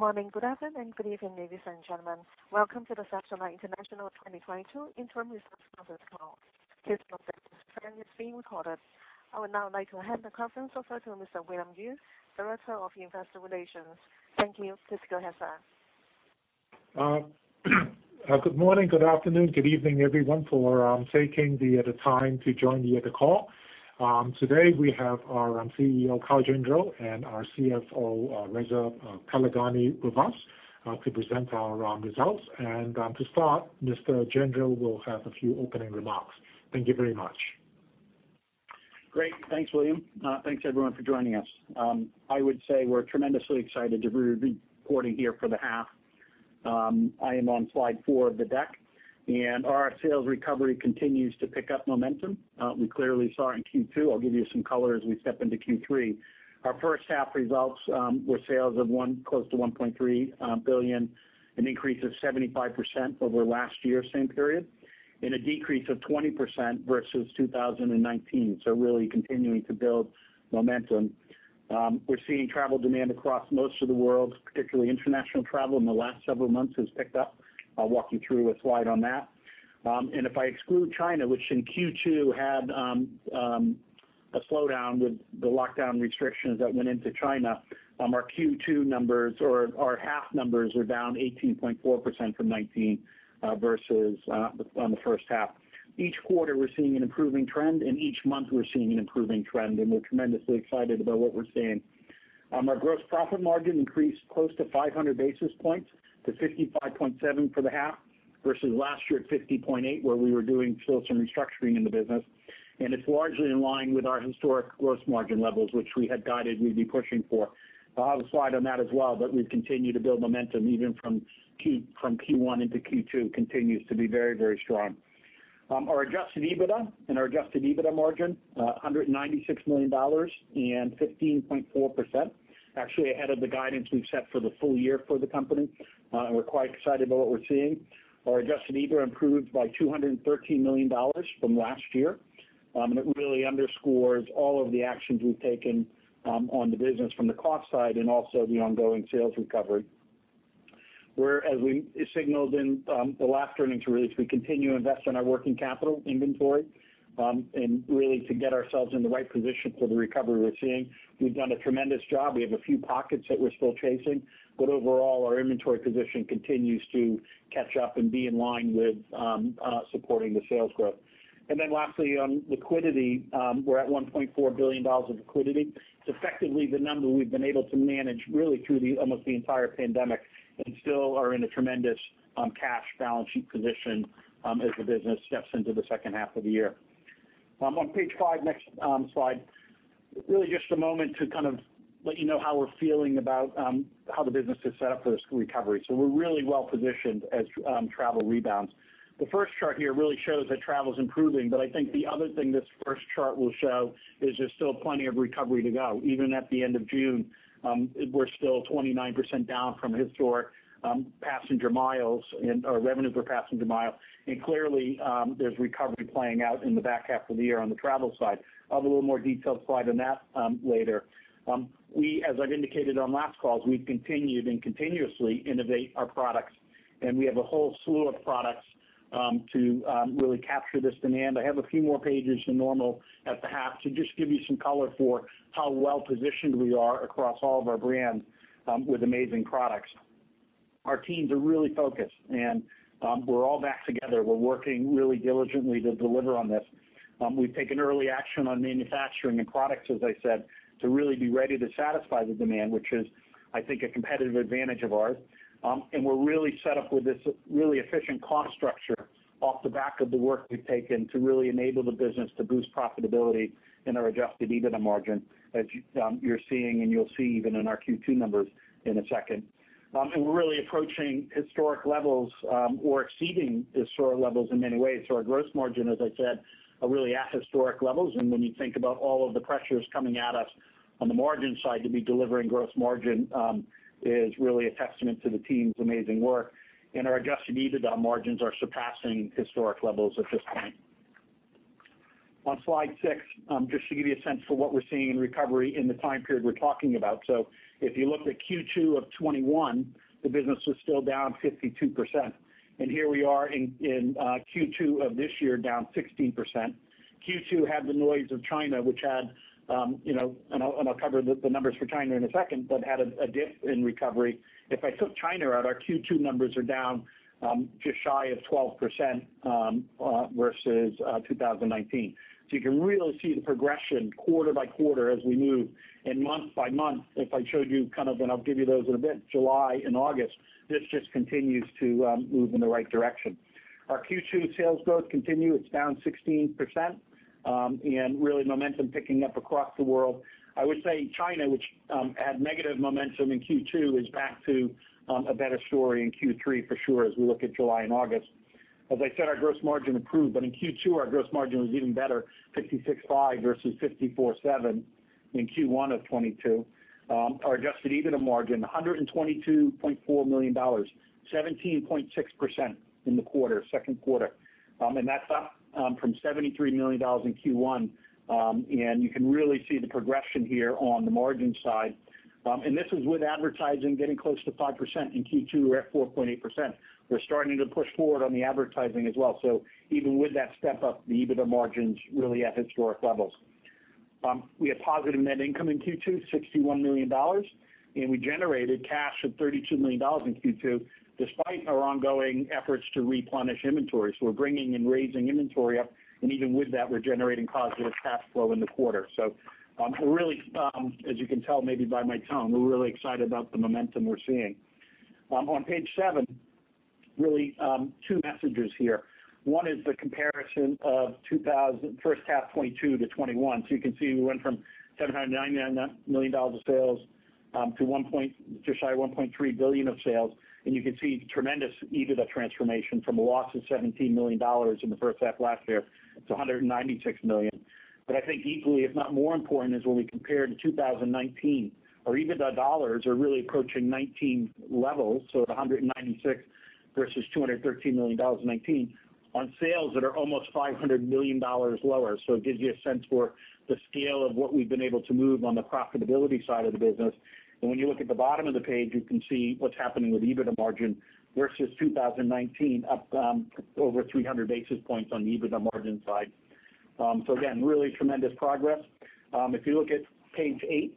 Good morning, good afternoon, and good evening, ladies and gentlemen. Welcome to the Samsonite International 2022 interim results conference call. This conference is being recorded. I would now like to hand the conference over to Mr. William Yue, Director of Investor Relations. Thank you. Please go ahead, sir. Good morning, good afternoon, good evening, everyone, for taking the time to join me at the call. Today we have our CEO, Kyle Gendreau, and our CFO, Reza Taleghani with us to present our results. To start, Mr. Gendreau will have a few opening remarks. Thank you very much. Great. Thanks, William. Thanks everyone for joining us. I would say we're tremendously excited to be reporting here for the half. I am on slide four of the deck, and our sales recovery continues to pick up momentum. We clearly saw it in Q2. I'll give you some color as we step into Q3. Our first half results were sales of close to $1.3 billion, an increase of 75% over last year's same period, and a decrease of 20% versus 2019, so really continuing to build momentum. We're seeing travel demand across most of the world, particularly international travel in the last several months has picked up. I'll walk you through a slide on that. If I exclude China, which in Q2 had a slowdown with the lockdown restrictions that went into China, our Q2 numbers or our half numbers are down 18.4% from 2019 versus on the first half. Each quarter we're seeing an improving trend, and each month we're seeing an improving trend, and we're tremendously excited about what we're seeing. Our gross profit margin increased close to 500 basis points to 55.7% for the half versus last year at 50.8%, where we were doing still some restructuring in the business. It's largely in line with our historic gross margin levels, which we had guided we'd be pushing for. I'll have a slide on that as well, but we've continued to build momentum even from Q1 into Q2, continues to be very, very strong. Our adjusted EBITDA and our adjusted EBITDA margin, $196 million and 15.4%, actually ahead of the guidance we've set for the full year for the company. We're quite excited about what we're seeing. Our adjusted EBITDA improved by $213 million from last year. It really underscores all of the actions we've taken on the business from the cost side and also the ongoing sales recovery. As we signaled in the last earnings release, we continue to invest in our working capital inventory and really to get ourselves in the right position for the recovery we're seeing. We've done a tremendous job. We have a few pockets that we're still chasing, but overall, our inventory position continues to catch up and be in line with supporting the sales growth. Lastly, on liquidity, we're at $1.4 billion of liquidity. It's effectively the number we've been able to manage really through almost the entire pandemic and still are in a tremendous cash balance sheet position as the business steps into the second half of the year. On page five, next slide, really just a moment to kind of let you know how we're feeling about how the business is set up for this recovery. We're really well positioned as travel rebounds. The first chart here really shows that travel's improving, but I think the other thing this first chart will show is there's still plenty of recovery to go. Even at the end of June, we're still 29% down from historic passenger miles and/or revenues per passenger mile. Clearly, there's recovery playing out in the back half of the year on the travel side. I'll have a little more detailed slide on that, later. We, as I've indicated on last calls, we've continued and continuously innovate our products, and we have a whole slew of products, to really capture this demand. I have a few more pages than normal at the half to just give you some color for how well-positioned we are across all of our brands, with amazing products. Our teams are really focused and, we're all back together. We're working really diligently to deliver on this. We've taken early action on manufacturing and products, as I said, to really be ready to satisfy the demand, which is, I think, a competitive advantage of ours. We're really set up with this really efficient cost structure off the back of the work we've taken to really enable the business to boost profitability in our adjusted EBITDA margin, as you're seeing and you'll see even in our Q2 numbers in a second. We're really approaching historic levels, or exceeding historic levels in many ways. Our gross margin, as I said, are really at historic levels. When you think about all of the pressures coming at us on the margin side to be delivering gross margin, is really a testament to the team's amazing work. Our adjusted EBITDA margins are surpassing historic levels at this point. On slide six, just to give you a sense for what we're seeing in recovery in the time period we're talking about. If you looked at Q2 of 2021, the business was still down 52%. Here we are in Q2 of this year down 16%. Q2 had the noise of China, which had and I'll cover the numbers for China in a second, but had a dip in recovery. If I took China out, our Q2 numbers are down just shy of 12% versus 2019. You can really see the progression quarter by quarter as we move, and month by month, if I showed you kind of, and I'll give you those in a bit, July and August, this just continues to move in the right direction. Our Q2 sales growth continue. It's down 16%, and really momentum picking up across the world. I would say China, which had negative momentum in Q2, is back to a better story in Q3 for sure as we look at July and August. As I said, our gross margin improved, but in Q2 our gross margin was even better, 56.5% versus 54.7%. In Q1 of 2022, our adjusted EBITDA margin, $122.4 million, 17.6% in the quarter, second quarter. That's up from $73 million in Q1. You can really see the progression here on the margin side. This is with advertising getting close to 5%. In Q2, we're at 4.8%. We're starting to push forward on the advertising as well. Even with that step up, the EBITDA margin's really at historic levels. We have positive net income in Q2, $61 million, and we generated cash of $32 million in Q2, despite our ongoing efforts to replenish inventory. We're bringing and raising inventory up, and even with that, we're generating positive cash flow in the quarter. We're really, as you can tell maybe by my tone, really excited about the momentum we're seeing. On page seven, really, two messages here. One is the comparison of first half 2022 to 2021. You can see we went from $799 million of sales to just shy of $1.3 billion of sales. You can see tremendous EBITDA transformation from a loss of $17 million in the first half last year to $196 million. I think equally, if not more important, is when we compare to 2019, our EBITDA dollars are really approaching 2019 levels, so the 196 versus $213 million in 2019, on sales that are almost $500 million lower. It gives you a sense for the scale of what we've been able to move on the profitability side of the business. When you look at the bottom of the page, you can see what's happening with EBITDA margin versus 2019, up over 300 basis points on the EBITDA margin side. Again, really tremendous progress. If you look at page 8,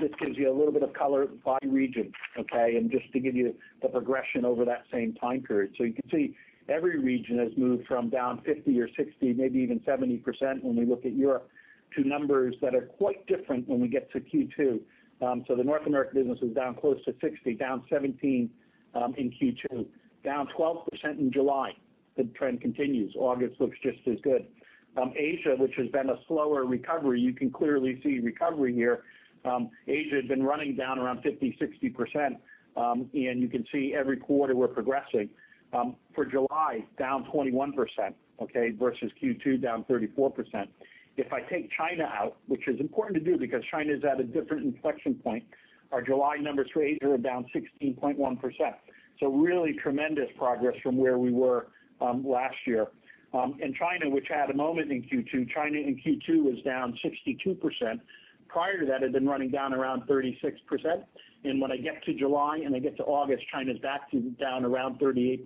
this gives you a little bit of color by region, okay? Just to give you the progression over that same time period. You can see every region has moved from down 50% or 60%, maybe even 70% when we look at Europe, to numbers that are quite different when we get to Q2. The North American business was down close to 60%, down 17% in Q2, down 12% in July. The trend continues. August looks just as good. Asia, which has been a slower recovery, you can clearly see recovery here. Asia had been running down around 50%-60%, and you can see every quarter we're progressing. For July, down 21%, okay, versus Q2 down 34%. If I take China out, which is important to do because China is at a different inflection point, our July numbers for Asia are down 16.1%. Really tremendous progress from where we were last year. In China, which had a moment in Q2, China in Q2 was down 62%. Prior to that, it had been running down around 36%. When I get to July, and I get to August, China's back to down around 38%,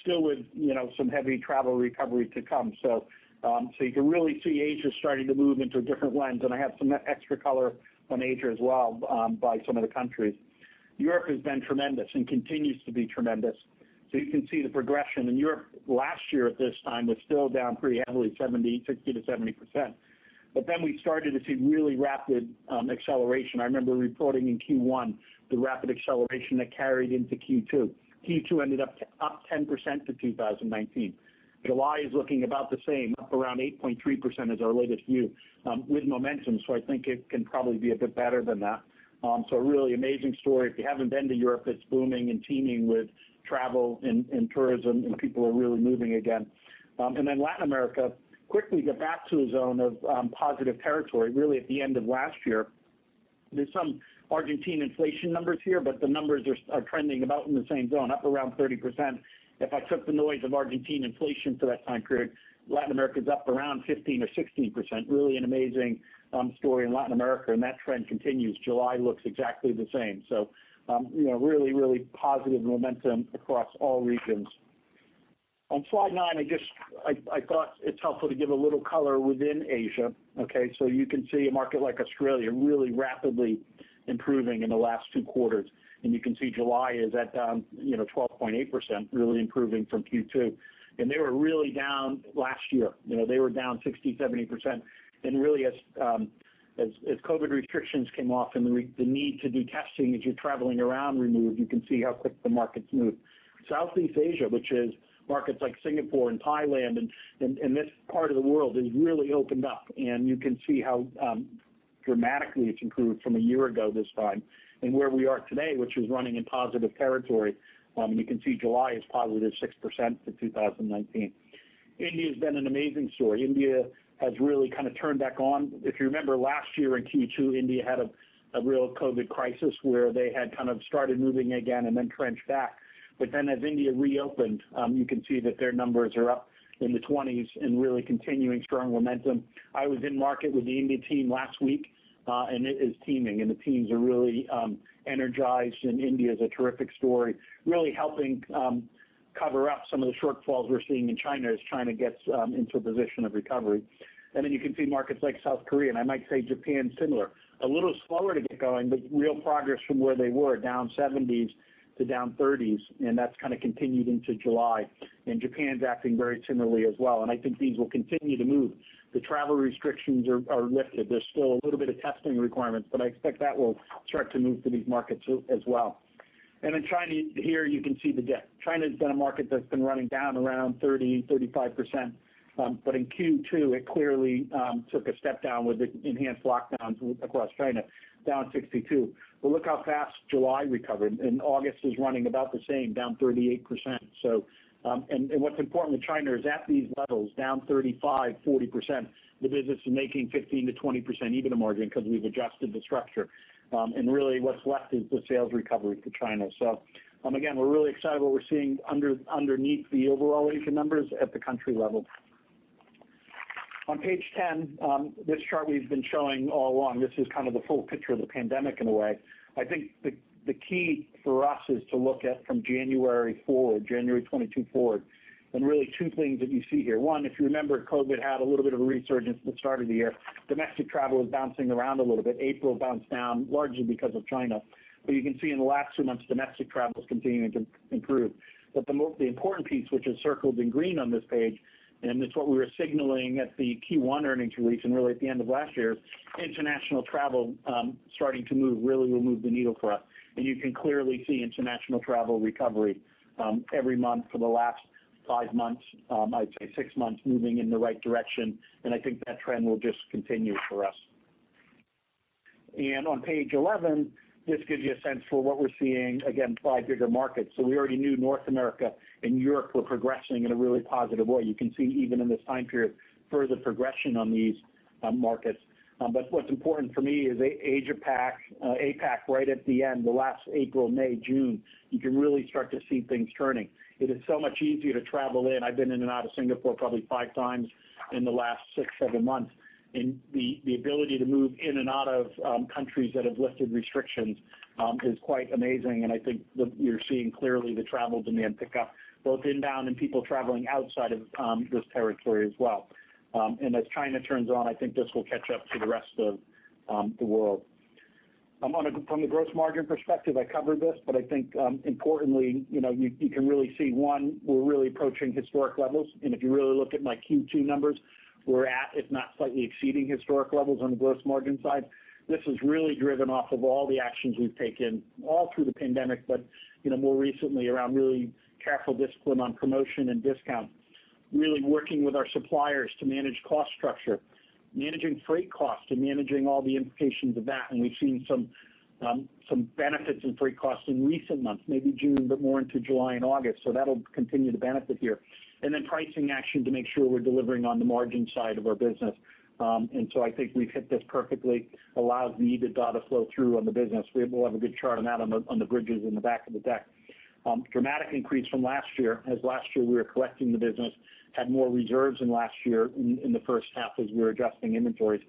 still with, you know, some heavy travel recovery to come. You can really see Asia starting to move into a different lens. I have some extra color on Asia as well, by some of the countries. Europe has been tremendous and continues to be tremendous. You can see the progression. In Europe last year at this time was still down pretty heavily, 60%-70%. We started to see really rapid acceleration. I remember reporting in Q1 the rapid acceleration that carried into Q2. Q2 ended up 10% to 2019. July is looking about the same, up around 8.3% is our latest view, with momentum, so I think it can probably be a bit better than that. A really amazing story. If you haven't been to Europe, it's booming and teeming with travel and tourism, and people are really moving again. Latin America quickly got back to a zone of positive territory really at the end of last year. There's some Argentine inflation numbers here, but the numbers are trending about in the same zone, up around 30%. If I took the noise of Argentine inflation for that time period, Latin America's up around 15 or 16%. Really an amazing story in Latin America, and that trend continues. July looks exactly the same. You know, really positive momentum across all regions. On slide nine, I thought it's helpful to give a little color within Asia, okay? You can see a market like Australia really rapidly improving in the last two quarters. You can see July is at, you know, 12.8%, really improving from Q2. They were really down last year. You know, they were down 60%-70%. Really as COVID restrictions came off and the need to do testing as you're traveling around removed, you can see how quick the markets moved. Southeast Asia, which is markets like Singapore and Thailand and this part of the world, has really opened up, and you can see how dramatically it's improved from a year ago this time and where we are today, which is running in positive territory. You can see July is positive 6% to 2019. India's been an amazing story. India has really kind of turned back on. If you remember last year in Q2, India had a real COVID crisis where they had kind of started moving again and then turned back. As India reopened, you can see that their numbers are up in the 20s% and really continuing strong momentum. I was in market with the India team last week, and it is teeming, and the teams are really energized, and India's a terrific story, really helping cover up some of the shortfalls we're seeing in China as China gets into a position of recovery. You can see markets like South Korea, and I might say Japan similar. A little slower to get going, but real progress from where they were, down 70s to down 30s, and that's kind of continued into July, and Japan's acting very similarly as well. I think these will continue to move. The travel restrictions are lifted. There's still a little bit of testing requirements, but I expect that will start to move through these markets as well. In China here, you can see the dip. China's been a market that's been running down around 30-35%. In Q2, it clearly took a step down with the enhanced lockdowns across China, down 62%. Look how fast July recovered, and August is running about the same, down 38%. What's important with China is at these levels, down 35-40%, the business is making 15%-20% EBITDA margin because we've adjusted the structure. Really what's left is the sales recovery for China. We're really excited what we're seeing underneath the overall Asia numbers at the country level. On page 10, this chart we've been showing all along, this is kind of the full picture of the pandemic in a way. I think the key for us is to look at from January forward, January 2022 forward, and really two things that you see here. One, if you remember, COVID had a little bit of a resurgence at the start of the year. Domestic travel was bouncing around a little bit. April bounced down largely because of China. You can see in the last two months, domestic travel is continuing to improve. The important piece, which is circled in green on this page, and it's what we were signaling at the Q1 earnings release and really at the end of last year, international travel starting to move really will move the needle for us. You can clearly see international travel recovery, every month for the last five months, I'd say six months, moving in the right direction, and I think that trend will just continue for us. On page 11, this gives you a sense for what we're seeing, again, five bigger markets. We already knew North America and Europe were progressing in a really positive way. You can see even in this time period, further progression on these markets. But what's important for me is Asia Pac, APAC right at the end, the last April, May, June, you can really start to see things turning. It is so much easier to travel in. I've been in and out of Singapore probably five times in the last six, seven months, and the ability to move in and out of countries that have lifted restrictions is quite amazing, and I think that you're seeing clearly the travel demand pick up, both inbound and people traveling outside of this territory as well. As China turns on, I think this will catch up to the rest of the world. From a gross margin perspective, I covered this, but I think, importantly, you know, you can really see, one, we're really approaching historic levels. If you really look at my Q2 numbers, we're at, if not slightly exceeding, historic levels on the gross margin side. This is really driven off of all the actions we've taken all through the pandemic, but, you know, more recently around really careful discipline on promotion and discount, really working with our suppliers to manage cost structure, managing freight cost and managing all the implications of that, and we've seen some benefits in freight costs in recent months, maybe June, but more into July and August. That'll continue to benefit here. Pricing action to make sure we're delivering on the margin side of our business. I think we've hit this perfectly, allows the EBITDA to flow through on the business. We'll have a good chart on that on the bridges in the back of the deck. Dramatic increase from last year, as last year we were collecting the business, had more reserves than last year in the first half as we were adjusting inventories.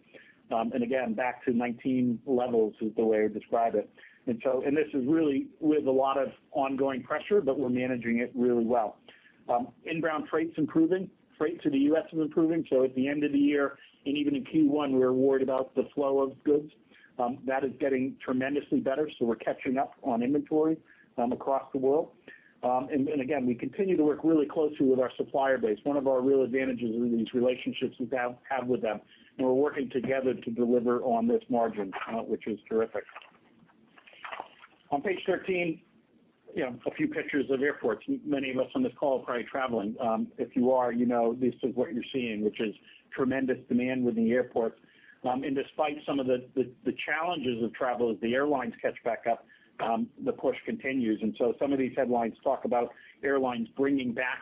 Again, back to 2019 levels is the way I describe it. This is really with a lot of ongoing pressure, but we're managing it really well. Inbound freight's improving. Freight to the U.S. is improving. At the end of the year, and even in Q1, we were worried about the flow of goods. That is getting tremendously better, so we're catching up on inventory across the world. Again, we continue to work really closely with our supplier base. One of our real advantages is these relationships we've now have with them, and we're working together to deliver on this margin, which is terrific. On page thirteen, you know, a few pictures of airports. Many of us on this call are probably traveling. If you are, you know this is what you're seeing, which is tremendous demand within the airports. Despite some of the challenges of travel as the airlines catch back up, the push continues. Some of these headlines talk about airlines bringing back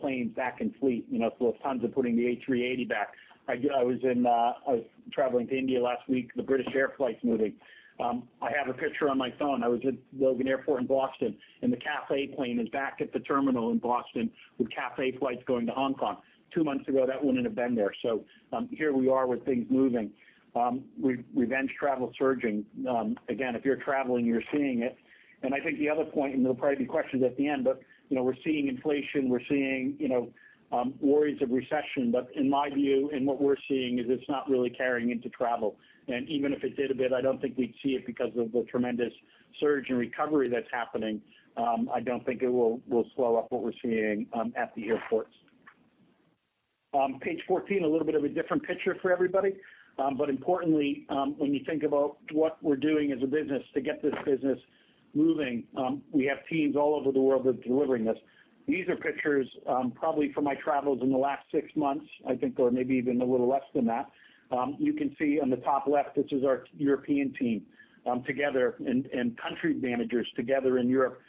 planes back in fleet. You know, Lufthansa putting the A380 back. I was traveling to India last week, the British Airways flight's moving. I have a picture on my phone. I was at Logan Airport in Boston, and the Cathay Pacific plane is back at the terminal in Boston with Cathay Pacific flights going to Hong Kong. Two months ago, that wouldn't have been there. Here we are with things moving. Revenge travel surging. Again, if you're traveling, you're seeing it. I think the other point, and there'll probably be questions at the end, but, you know, we're seeing inflation, we're seeing, you know, worries of recession. In my view, and what we're seeing, is it's not really carrying into travel. Even if it did a bit, I don't think we'd see it because of the tremendous surge in recovery that's happening. I don't think it will slow up what we're seeing at the airports. Page 14, a little bit of a different picture for everybody. Importantly, when you think about what we're doing as a business to get this business moving, we have teams all over the world that are delivering this. These are pictures, probably from my travels in the last 6 months, I think, or maybe even a little less than that. You can see on the top left, this is our European team, together and country managers together in Europe,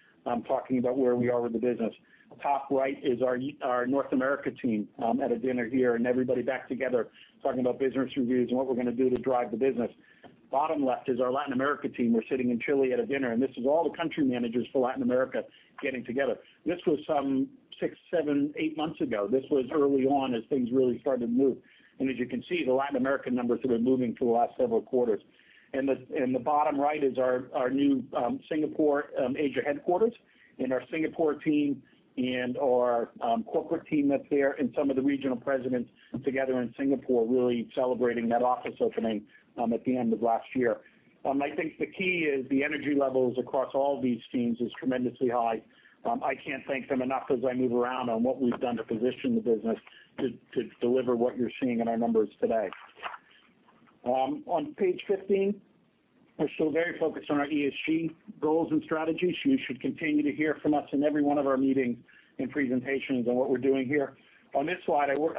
talking about where we are with the business. Top right is our North America team, at a dinner here, and everybody back together talking about business reviews and what we're gonna do to drive the business. Bottom left is our Latin America team. We're sitting in Chile at a dinner, and this is all the country managers for Latin America getting together. This was some 6, 7, 8 months ago. This was early on as things really started to move. As you can see, the Latin America numbers have been moving for the last several quarters. The bottom right is our new Singapore Asia headquarters, and our Singapore team and our corporate team that's there and some of the regional presidents together in Singapore really celebrating that office opening at the end of last year. I think the key is the energy levels across all these teams is tremendously high. I can't thank them enough as I move around on what we've done to position the business to deliver what you're seeing in our numbers today. On page 15, we're still very focused on our ESG goals and strategies. You should continue to hear from us in every one of our meetings and presentations on what we're doing here. On this slide, with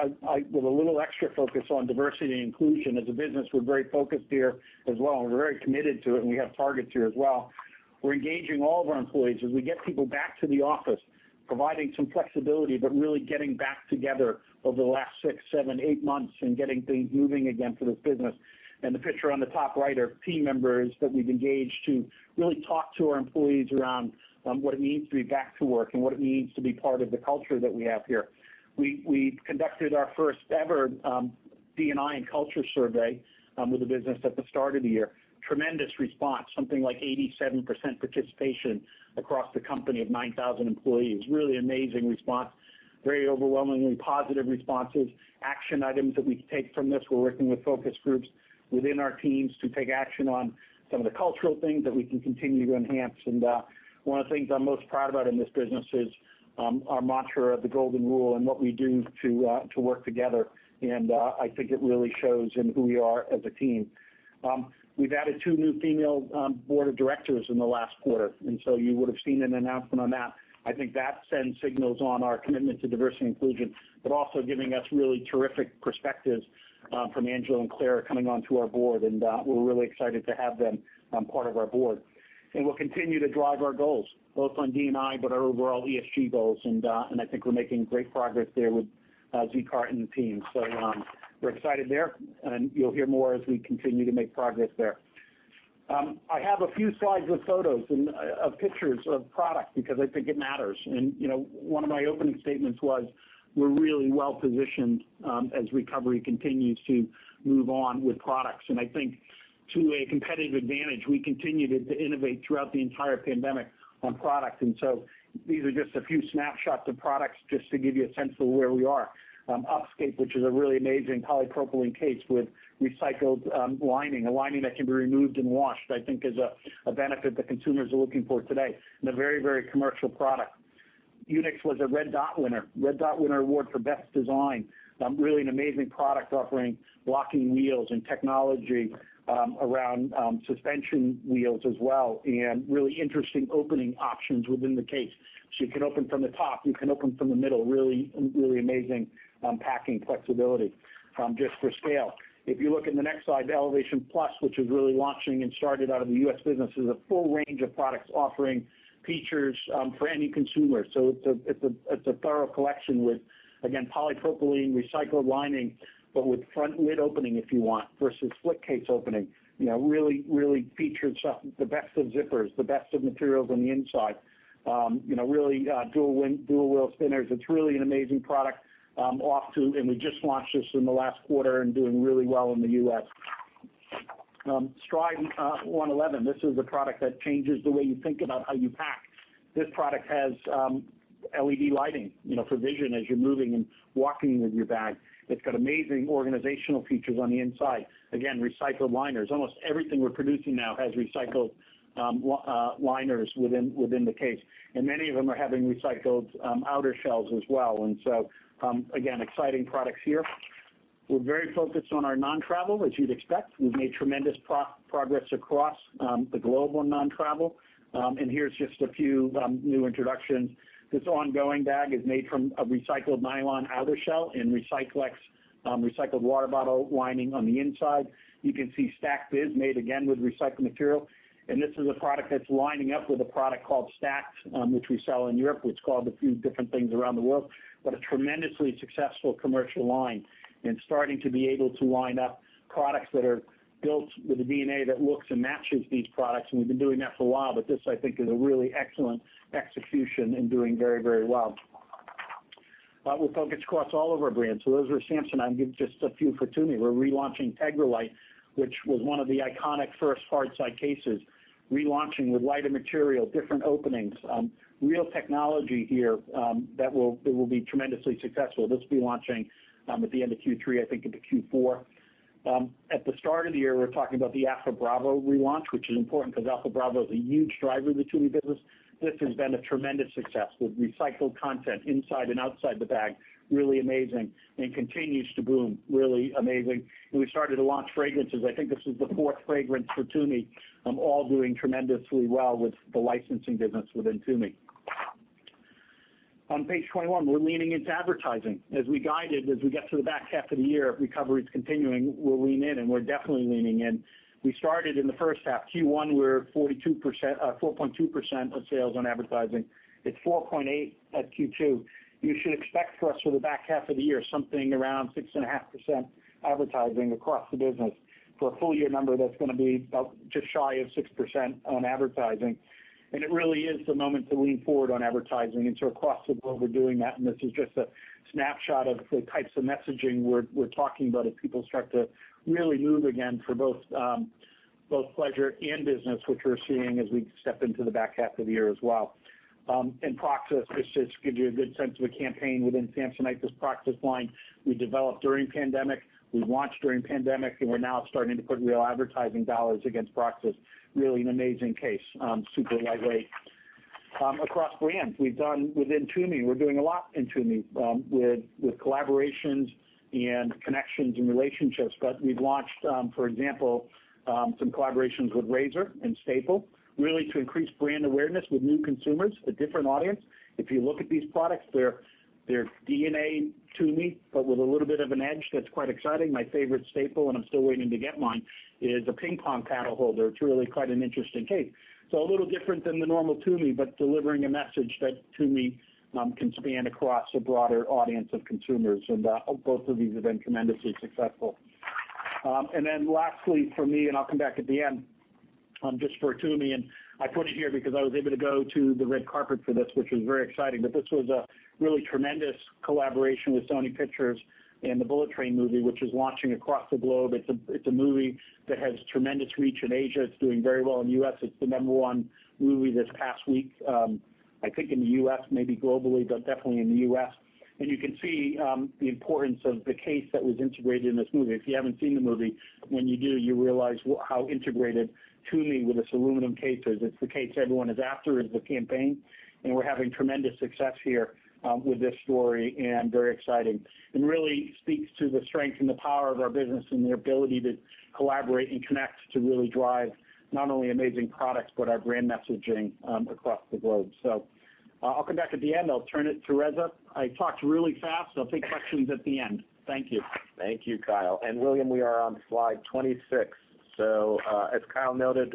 a little extra focus on diversity and inclusion. As a business, we're very focused here as well, and we're very committed to it, and we have targets here as well. We're engaging all of our employees as we get people back to the office, providing some flexibility, but really getting back together over the last six, seven, eight months and getting things moving again for this business. The picture on the top right are team members that we've engaged to really talk to our employees around what it means to be back to work and what it means to be part of the culture that we have here. We've conducted our first ever D&I and culture survey with the business at the start of the year. Tremendous response, something like 87% participation across the company of 9,000 employees. Really amazing response. Very overwhelmingly positive responses. Action items that we take from this. We're working with focus groups within our teams to take action on some of the cultural things that we can continue to enhance. One of the things I'm most proud about in this business is our mantra of the golden rule and what we do to work together. I think it really shows in who we are as a team. We've added two new female board of directors in the last quarter, and so you would have seen an announcement on that. I think that sends signals on our commitment to diversity inclusion, but also giving us really terrific perspectives from Angela and Claire coming onto our board, and we're really excited to have them part of our board. We'll continue to drive our goals, both on D&I, but our overall ESG goals. I think we're making great progress there with Subrata Chakrabarti and the team. We're excited there, and you'll hear more as we continue to make progress there. I have a few slides with photos and of pictures of products because I think it matters. You know, one of my opening statements was we're really well-positioned as recovery continues to move on with products. I think to a competitive advantage, we continued to innovate throughout the entire pandemic on products. These are just a few snapshots of products just to give you a sense of where we are. Upscape, which is a really amazing polypropylene case with recycled lining, a lining that can be removed and washed, I think is a benefit that consumers are looking for today. A very commercial product. IBON was a Red Dot Design Award winner for best design. Really an amazing product offering, locking wheels and technology around suspension wheels as well, and really interesting opening options within the case. You can open from the top, you can open from the middle, really amazing packing flexibility, just for scale. If you look in the next slide, Elevation Plus, which is really launching and started out of the US business, is a full range of products offering features for any consumer. It's a thorough collection with, again, polypropylene recycled lining, but with front lid opening if you want versus flip case opening. You know, really featured stuff, the best of zippers, the best of materials on the inside. You know, really dual wheel spinners. It's really an amazing product. We just launched this in the last quarter and doing really well in the US. Stryde 111, this is a product that changes the way you think about how you pack. This product has LED lighting, you know, for vision as you're moving and walking with your bag. It's got amazing organizational features on the inside. Again, recycled liners. Almost everything we're producing now has recycled liners within the case. Many of them are having recycled outer shells as well. Again, exciting products here. We're very focused on our non-travel, as you'd expect. We've made tremendous progress across the global non-travel. Here's just a few new introductions. This Ongoing bag is made from a recycled nylon outer shell and Recyclex recycled water bottle lining on the inside. You can see StackD Biz made again with recycled material. This is a product that's lining up with a product called StackD, which we sell in Europe, which is called a few different things around the world. A tremendously successful commercial line and starting to be able to line up products that are built with the DNA that looks and matches these products. We've been doing that for a while, but this I think is a really excellent execution and doing very, very well. We're focused across all of our brands. Those are Samsonite. I'll give just a few for Tumi. We're relaunching Tegra-Lite, which was one of the iconic first hardside cases. Relaunching with lighter material, different openings, real technology here, that will be tremendously successful. This will be launching at the end of Q3, I think into Q4. At the start of the year, we were talking about the Alpha Bravo relaunch, which is important because Alpha Bravo is a huge driver of the Tumi business. This has been a tremendous success with recycled content inside and outside the bag, really amazing, and continues to boom. Really amazing. We started to launch fragrances. I think this is the fourth fragrance for Tumi, all doing tremendously well with the licensing business within Tumi. On page 21, we're leaning into advertising. As we guided, as we get to the back half of the year, if recovery is continuing, we'll lean in, and we're definitely leaning in. We started in the first half. Q1 we're 4.2% of sales on advertising. It's 4.8% at Q2. You should expect for us the back half of the year, something around 6.5% advertising across the business for a full year number that's gonna be about just shy of 6% on advertising. It really is the moment to lean forward on advertising. Across the globe, we're doing that. This is just a snapshot of the types of messaging we're talking about as people start to really move again for both pleasure and business, which we're seeing as we step into the back half of the year as well. Proxis, this just gives you a good sense of a campaign within Samsonite. This Proxis line we developed during pandemic, we launched during pandemic, and we're now starting to put real advertising dollars against Proxis. Really an amazing case. Super lightweight. Across brands, we've done within Tumi, we're doing a lot in Tumi, with collaborations and connections and relationships. We've launched, for example, some collaborations with Razer and Staple, really to increase brand awareness with new consumers, a different audience. If you look at these products, they're DNA Tumi, but with a little bit of an edge that's quite exciting. My favorite Staple, and I'm still waiting to get mine, is a ping pong paddle holder. It's really quite an interesting case. A little different than the normal Tumi, but delivering a message that Tumi can span across a broader audience of consumers. Both of these have been tremendously successful. Lastly for me, and I'll come back at the end. Just for Tumi, and I put it here because I was able to go to the red carpet for this, which was very exciting. This was a really tremendous collaboration with Sony Pictures and the Bullet Train movie, which is launching across the globe. It's a movie that has tremendous reach in Asia. It's doing very well in the U.S. It's the number one movie this past week, I think in the U.S., maybe globally, but definitely in the U.S. You can see the importance of the case that was integrated in this movie. If you haven't seen the movie, when you do, you realize how integrated Tumi with this aluminum case is. It's the case everyone is after in the campaign, and we're having tremendous success here, with this story, and very exciting. Really speaks to the strength and the power of our business and the ability to collaborate and connect to really drive not only amazing products, but our brand messaging, across the globe. I'll come back at the end. I'll turn it to Reza. I talked really fast. I'll take questions at the end. Thank you. Thank you, Kyle. William, we are on slide 26. As Kyle noted,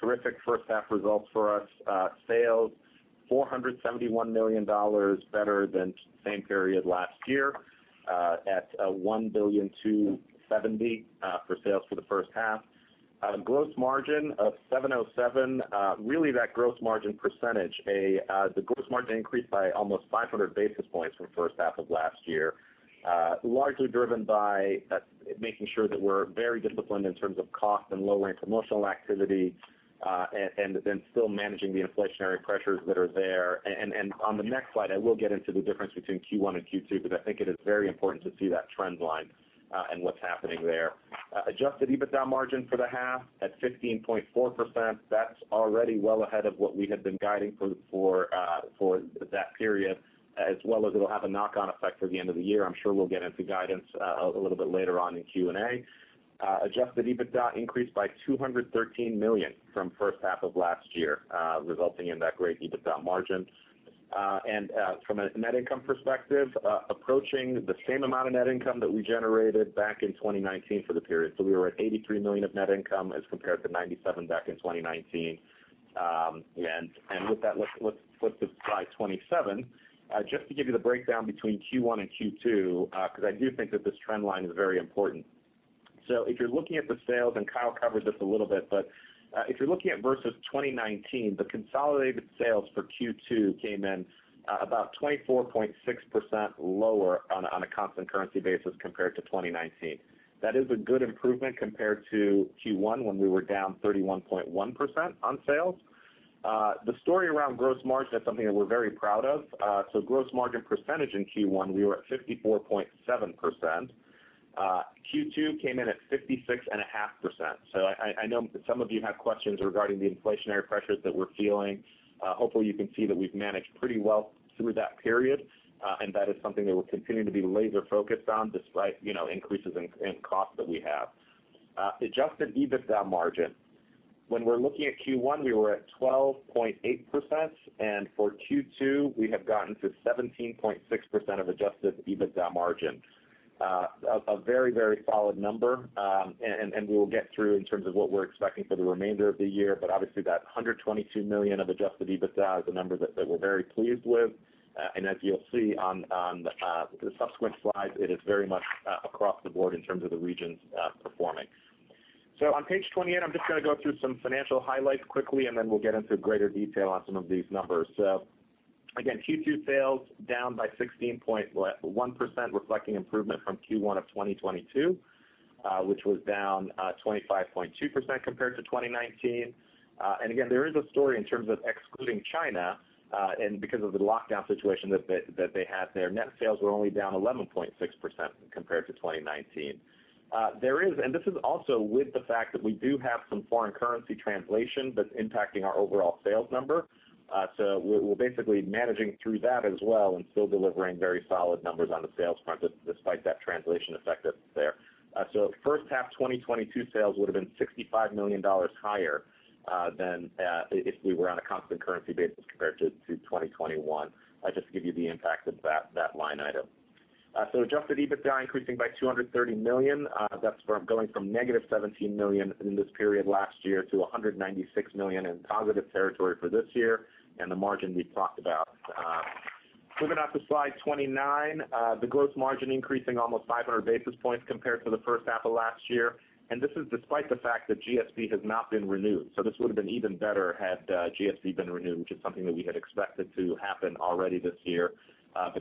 terrific first half results for us. Sales $471 million better than same period last year, at $1,270 million for sales for the first half. Gross margin of 70.7%. Really, that gross margin percentage. The gross margin increased by almost 500 basis points from first half of last year, largely driven by making sure that we're very disciplined in terms of cost and lowering promotional activity, and then still managing the inflationary pressures that are there. On the next slide, I will get into the difference between Q1 and Q2, because I think it is very important to see that trend line, and what's happening there. Adjusted EBITDA margin for the half at 15.4%. That's already well ahead of what we had been guiding for that period, as well as it'll have a knock-on effect for the end of the year. I'm sure we'll get into guidance, a little bit later on in Q&A. Adjusted EBITDA increased by $213 million from first half of last year, resulting in that great EBITDA margin. From a net income perspective, approaching the same amount of net income that we generated back in 2019 for the period. We were at $83 million of net income as compared to $97 million back in 2019. With that, let's flip to slide 27. Just to give you the breakdown between Q1 and Q2, because I do think that this trend line is very important. If you're looking at the sales, and Kyle covered this a little bit, but if you're looking at versus 2019, the consolidated sales for Q2 came in about 24.6% lower on a constant currency basis compared to 2019. That is a good improvement compared to Q1 when we were down 31.1% on sales. The story around gross margin, that's something that we're very proud of. Gross margin percentage in Q1, we were at 54.7%. Q2 came in at 56.5%. I know some of you have questions regarding the inflationary pressures that we're feeling. Hopefully you can see that we've managed pretty well through that period, and that is something that we're continuing to be laser focused on despite, you know, increases in cost that we have. Adjusted EBITDA margin. When we're looking at Q1, we were at 12.8%, and for Q2, we have gotten to 17.6% of adjusted EBITDA margin. A very, very solid number, and we will get through in terms of what we're expecting for the remainder of the year. Obviously that $122 million of adjusted EBITDA is a number that we're very pleased with. As you'll see on the subsequent slides, it is very much across the board in terms of the regions performing. On page 28, I'm just gonna go through some financial highlights quickly, and then we'll get into greater detail on some of these numbers. Again, Q2 sales down by 16.1%, reflecting improvement from Q1 of 2022, which was down 25.2% compared to 2019. Again, there is a story in terms of excluding China, and because of the lockdown situation that they had there. Net sales were only down 11.6% compared to 2019. There is, and this is also with the fact that we do have some foreign currency translation that's impacting our overall sales number. We're basically managing through that as well and still delivering very solid numbers on the sales front despite that translation effect that's there. First half 2022 sales would have been $65 million higher than if we were on a constant currency basis compared to 2021, just to give you the impact of that line item. Adjusted EBITDA increasing by $230 million. That's going from -$17 million in this period last year to $196 million in positive territory for this year, and the margin we've talked about. Flipping now to slide 29. The gross margin increasing almost 500 basis points compared to the first half of last year. This is despite the fact that GSP has not been renewed. This would have been even better had GSP been renewed, which is something that we had expected to happen already this year.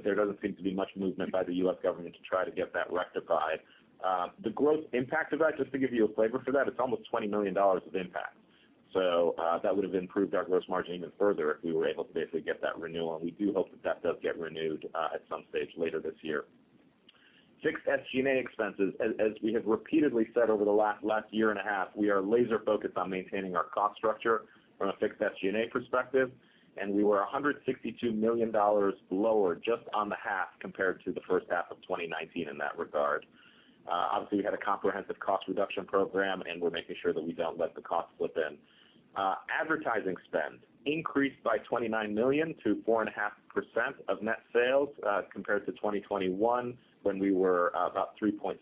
There doesn't seem to be much movement by the U.S. government to try to get that rectified. The gross impact of that, just to give you a flavor for that, it's almost $20 million of impact. That would have improved our gross margin even further if we were able to basically get that renewal, and we do hope that that does get renewed, at some stage later this year. Fixed SG&A expenses. As we have repeatedly said over the last year and a half, we are laser focused on maintaining our cost structure from a fixed SG&A perspective, and we were $162 million lower just on the half compared to the first half of 2019 in that regard. Obviously, we had a comprehensive cost reduction program, and we're making sure that we don't let the costs slip in. Advertising spend increased by $29 million to 4.5% of net sales, compared to 2021, when we were about 3.6%.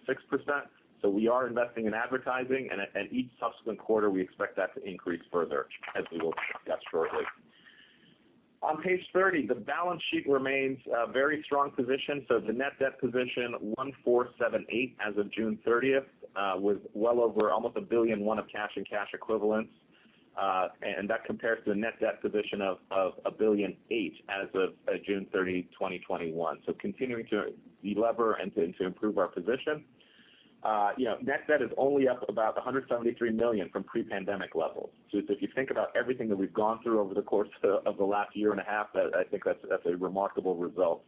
We are investing in advertising, and each subsequent quarter, we expect that to increase further, as we will discuss shortly. On page 30, the balance sheet remains a very strong position. The net debt position of $147.8 million as of June 30 was well over almost $1 billion in cash and cash equivalents. That compares to the net debt position of $1.8 billion as of June 30, 2021. Continuing to delever and to improve our position. You know, net debt is only up about $173 million from pre-pandemic levels. If you think about everything that we've gone through over the course of the last year and a half, that I think that's a remarkable result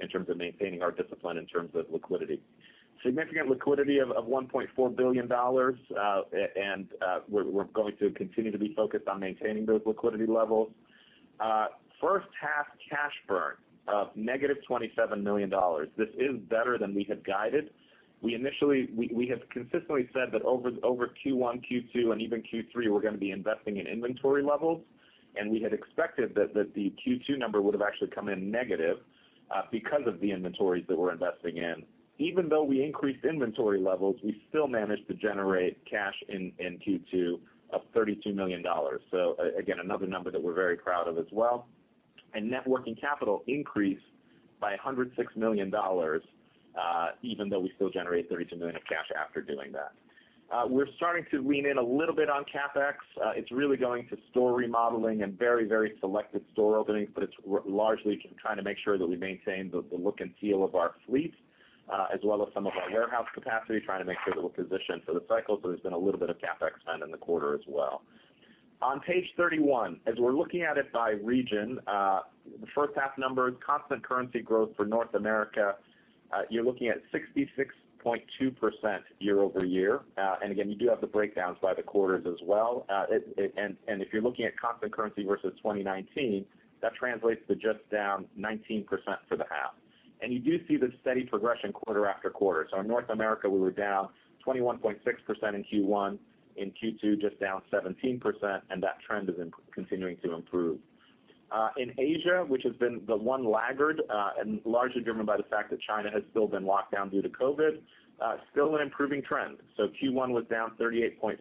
in terms of maintaining our discipline in terms of liquidity. Significant liquidity of $1.4 billion. We're going to continue to be focused on maintaining those liquidity levels. First half cash burn of negative $27 million. This is better than we had guided. We initially had consistently said that over Q1, Q2, and even Q3, we're gonna be investing in inventory levels. We had expected that the Q2 number would have actually come in negative because of the inventories that we're investing in. Even though we increased inventory levels, we still managed to generate cash in Q2 of $32 million. Again, another number that we're very proud of as well. Net working capital increased by $106 million, even though we still generate $32 million of cash after doing that. We're starting to lean in a little bit on CapEx. It's really going to store remodeling and very, very selective store openings, but it's largely to kind of make sure that we maintain the look and feel of our fleet, as well as some of our warehouse capacity, trying to make sure that we're positioned for the cycle. There's been a little bit of CapEx spend in the quarter as well. On page 31, as we're looking at it by region, the first half numbers, constant currency growth for North America, you're looking at 66.2% year-over-year. And again, you do have the breakdowns by the quarters as well. If you're looking at constant currency versus 2019, that translates to just down 19% for the half. You do see the steady progression quarter after quarter. In North America, we were down 21.6% in Q1. In Q2, just down 17%, and that trend is continuing to improve. In Asia, which has been the one laggard, and largely driven by the fact that China has still been locked down due to COVID, still an improving trend. Q1 was down 38.6%,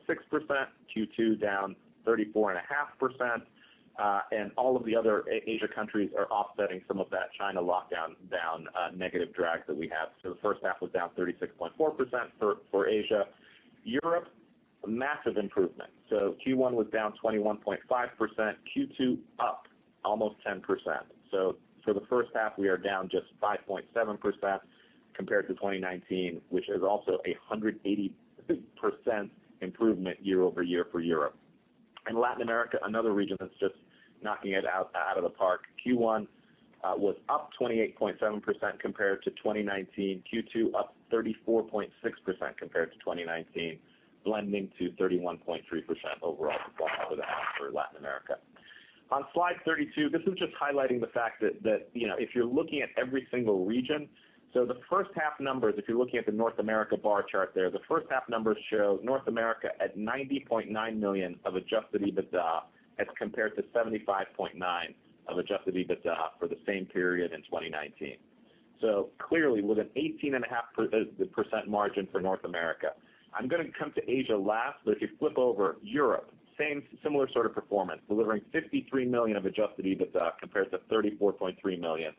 Q2 down 34.5%, and all of the other Asia countries are offsetting some of that China lockdown downside negative drag that we have. The first half was down 36.4% for Asia. Europe, a massive improvement. Q1 was down 21.5%, Q2 up almost 10%. For the first half, we are down just 5.7% compared to 2019, which is also a 180% improvement year-over-year for Europe. In Latin America, another region that's just knocking it out of the park. Q1 was up 28.7% compared to 2019. Q2 up 34.6% compared to 2019, blending to 31.3% overall for the half for Latin America. On slide 32, this is just highlighting the fact that, you know, if you're looking at every single region. The first half numbers, if you're looking at the North America bar chart there, the first half numbers show North America at $90.9 million of adjusted EBITDA as compared to $75.9 million of adjusted EBITDA for the same period in 2019. Clearly, with an 18.5% margin for North America. I'm gonna come to Asia last, but if you flip over Europe, same similar sort of performance, delivering $53 million of adjusted EBITDA compared to $34.3 million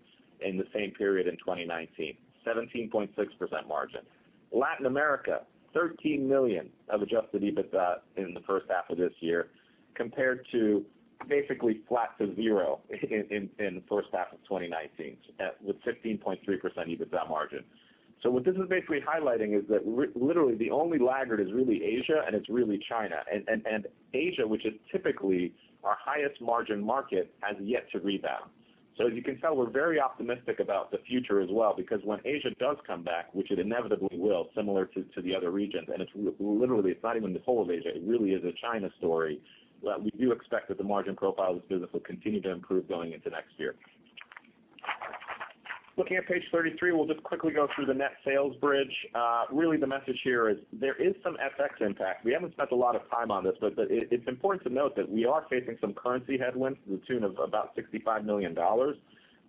in the same period in 2019, 17.6% margin. Latin America, $13 million of adjusted EBITDA in the first half of this year, compared to basically flat to zero in the first half of 2019, with 15.3% EBITDA margin. What this is basically highlighting is that literally the only laggard is really Asia, and it's really China. Asia, which is typically our highest margin market, has yet to rebound. As you can tell, we're very optimistic about the future as well, because when Asia does come back, which it inevitably will, similar to the other regions, and it's literally, it's not even the whole of Asia, it really is a China story. We do expect that the margin profile of this business will continue to improve going into next year. Looking at page 33, we'll just quickly go through the net sales bridge. Really the message here is there is some FX impact. We haven't spent a lot of time on this, but it's important to note that we are facing some currency headwinds to the tune of about $65 million,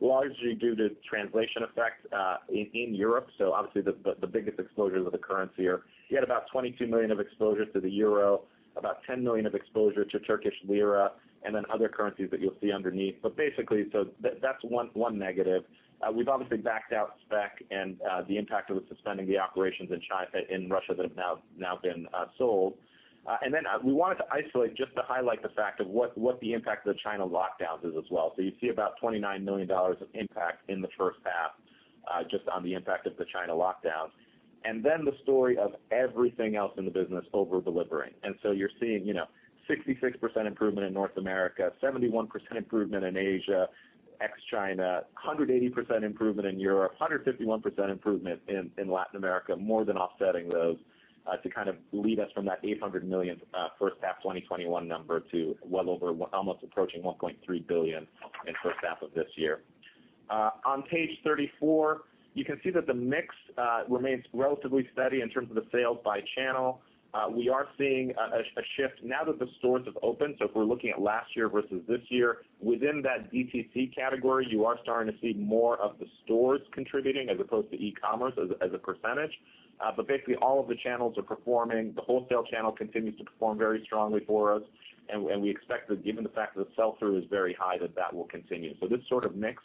largely due to translation effects in Europe. Obviously, the biggest exposures of the currency are, you had about $22 million of exposure to the euro, about $10 million of exposure to Turkish lira, and then other currencies that you'll see underneath. Basically, that's one negative. We've obviously backed out Speck and the impact of suspending the operations in Russia that have now been sold. We wanted to isolate just to highlight the fact of what the impact of the China lockdowns is as well. You see about $29 million of impact in the first half, just on the impact of the China lockdowns. Then the story of everything else in the business over-delivering. You're seeing, you know, 66% improvement in North America, 71% improvement in Asia, ex-China, 180% improvement in Europe, 151% improvement in Latin America, more than offsetting those, to kind of lead us from that $800 million first half 2021 number to well over almost approaching $1.3 billion in first half of this year. On page 34, you can see that the mix remains relatively steady in terms of the sales by channel. We are seeing a shift now that the stores have opened. If we're looking at last year versus this year, within that DTC category, you are starting to see more of the stores contributing as opposed to e-commerce as a percentage. Basically, all of the channels are performing. The wholesale channel continues to perform very strongly for us. We expect that given the fact that the sell-through is very high, that will continue. This sort of mix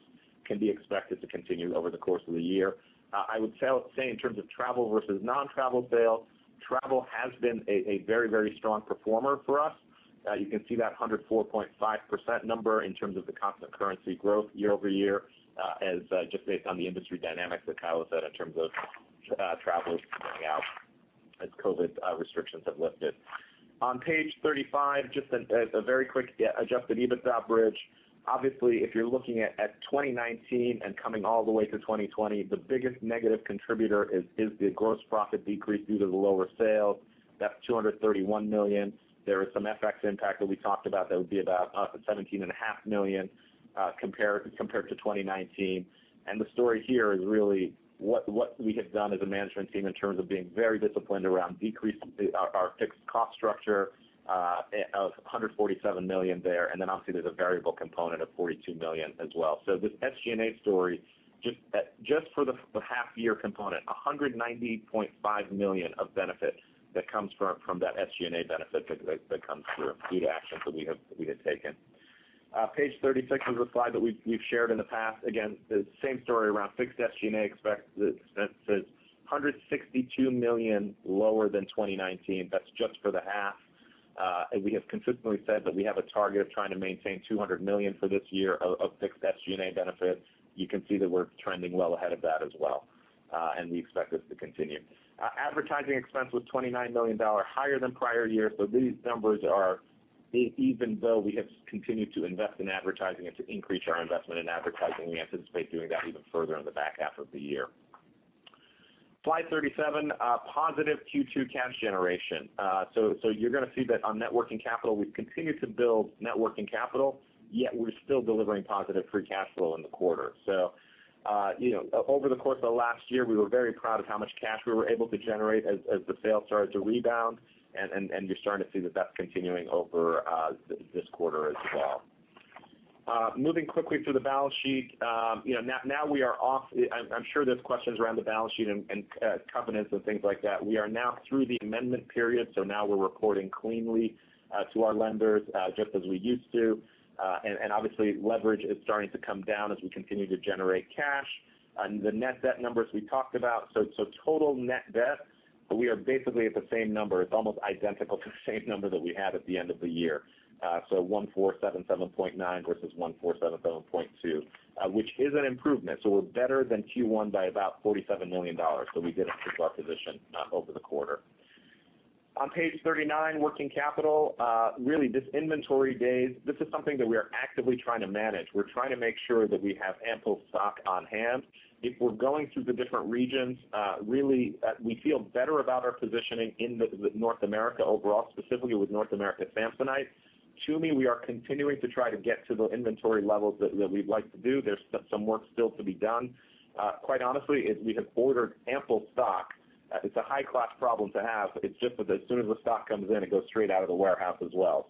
can be expected to continue over the course of the year. I would say in terms of travel versus non-travel sales, travel has been a very strong performer for us. You can see that 104.5% number in terms of the constant-currency growth year-over-year, just based on the industry dynamics that Kyle said in terms of travelers coming out of COVID restrictions have lifted. On page 35, just a very quick adjusted EBITDA bridge. Obviously, if you're looking at 2019 and coming all the way to 2020, the biggest negative contributor is the gross profit decrease due to the lower sales. That's $231 million. There is some FX impact that we talked about that would be about up to $17.5 million, compared to 2019. The story here is really what we have done as a management team in terms of being very disciplined around decreasing our fixed cost structure of $147 million there. Obviously, there's a variable component of $42 million as well. This SG&A story for the half year component, $190.5 million of benefits that comes from that SG&A benefit that comes through due to actions that we had taken. Page 36 is a slide that we've shared in the past. Again, the same story around fixed SG&A expense, the expense is $162 million lower than 2019. That's just for the half. As we have consistently said that we have a target of trying to maintain $200 million for this year of fixed SG&A benefits. You can see that we're trending well ahead of that as well, and we expect this to continue. Advertising expense was $29 million higher than prior year. These numbers are even though we have continued to invest in advertising and to increase our investment in advertising, we anticipate doing that even further in the back half of the year. Slide 37, positive Q2 cash generation. You're gonna see that on net working capital, we've continued to build net working capital, yet we're still delivering positive free cash flow in the quarter. You know, over the course of last year, we were very proud of how much cash we were able to generate as the sales started to rebound. You're starting to see that that's continuing over this quarter as well. Moving quickly through the balance sheet. You know, now I'm sure there's questions around the balance sheet and covenants and things like that. We are now through the amendment period, so now we're reporting cleanly to our lenders just as we used to. Obviously, leverage is starting to come down as we continue to generate cash. On the net debt numbers we talked about, total net debt, we are basically at the same number. It's almost identical to the same number that we had at the end of the year. $1,477.9 versus $1,477.2, which is an improvement. We're better than Q1 by about $47 million. We did improve our position over the quarter. On page 39, working capital. Really, this inventory days, this is something that we are actively trying to manage. We're trying to make sure that we have ample stock on hand. If we're going through the different regions, really, we feel better about our positioning in the North America overall, specifically with North America Samsonite. Tumi, we are continuing to try to get to the inventory levels that we'd like to do. There's some work still to be done. Quite honestly, we have ordered ample stock. It's a high-class problem to have. It's just that as soon as the stock comes in, it goes straight out of the warehouse as well.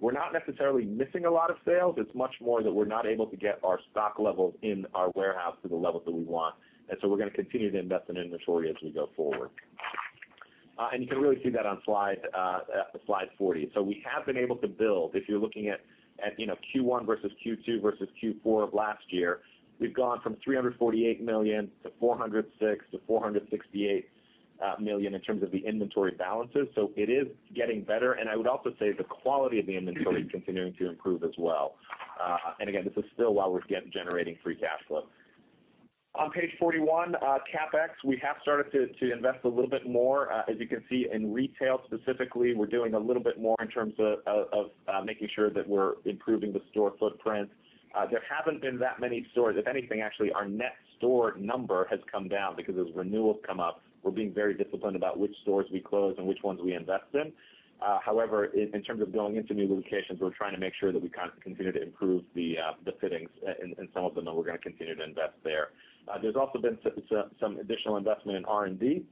We're not necessarily missing a lot of sales. It's much more that we're not able to get our stock levels in our warehouse to the levels that we want. We're gonna continue to invest in inventory as we go forward. You can really see that on slide 40. We have been able to build, if you're looking at, you know, Q1 versus Q2 versus Q4 of last year, we've gone from $348 million to $406 million to $468 million in terms of the inventory balances. It is getting better. I would also say the quality of the inventory is continuing to improve as well. And again, this is still while we're generating free cash flow. On page 41, CapEx, we have started to invest a little bit more. As you can see in retail specifically, we're doing a little bit more in terms of making sure that we're improving the store footprint. There haven't been that many stores. If anything, actually our net store number has come down because as renewals come up, we're being very disciplined about which stores we close and which ones we invest in. However, in terms of going into new locations, we're trying to make sure that we continue to improve the fittings in some of them, and we're gonna continue to invest there. There's also been some additional investment in R&D.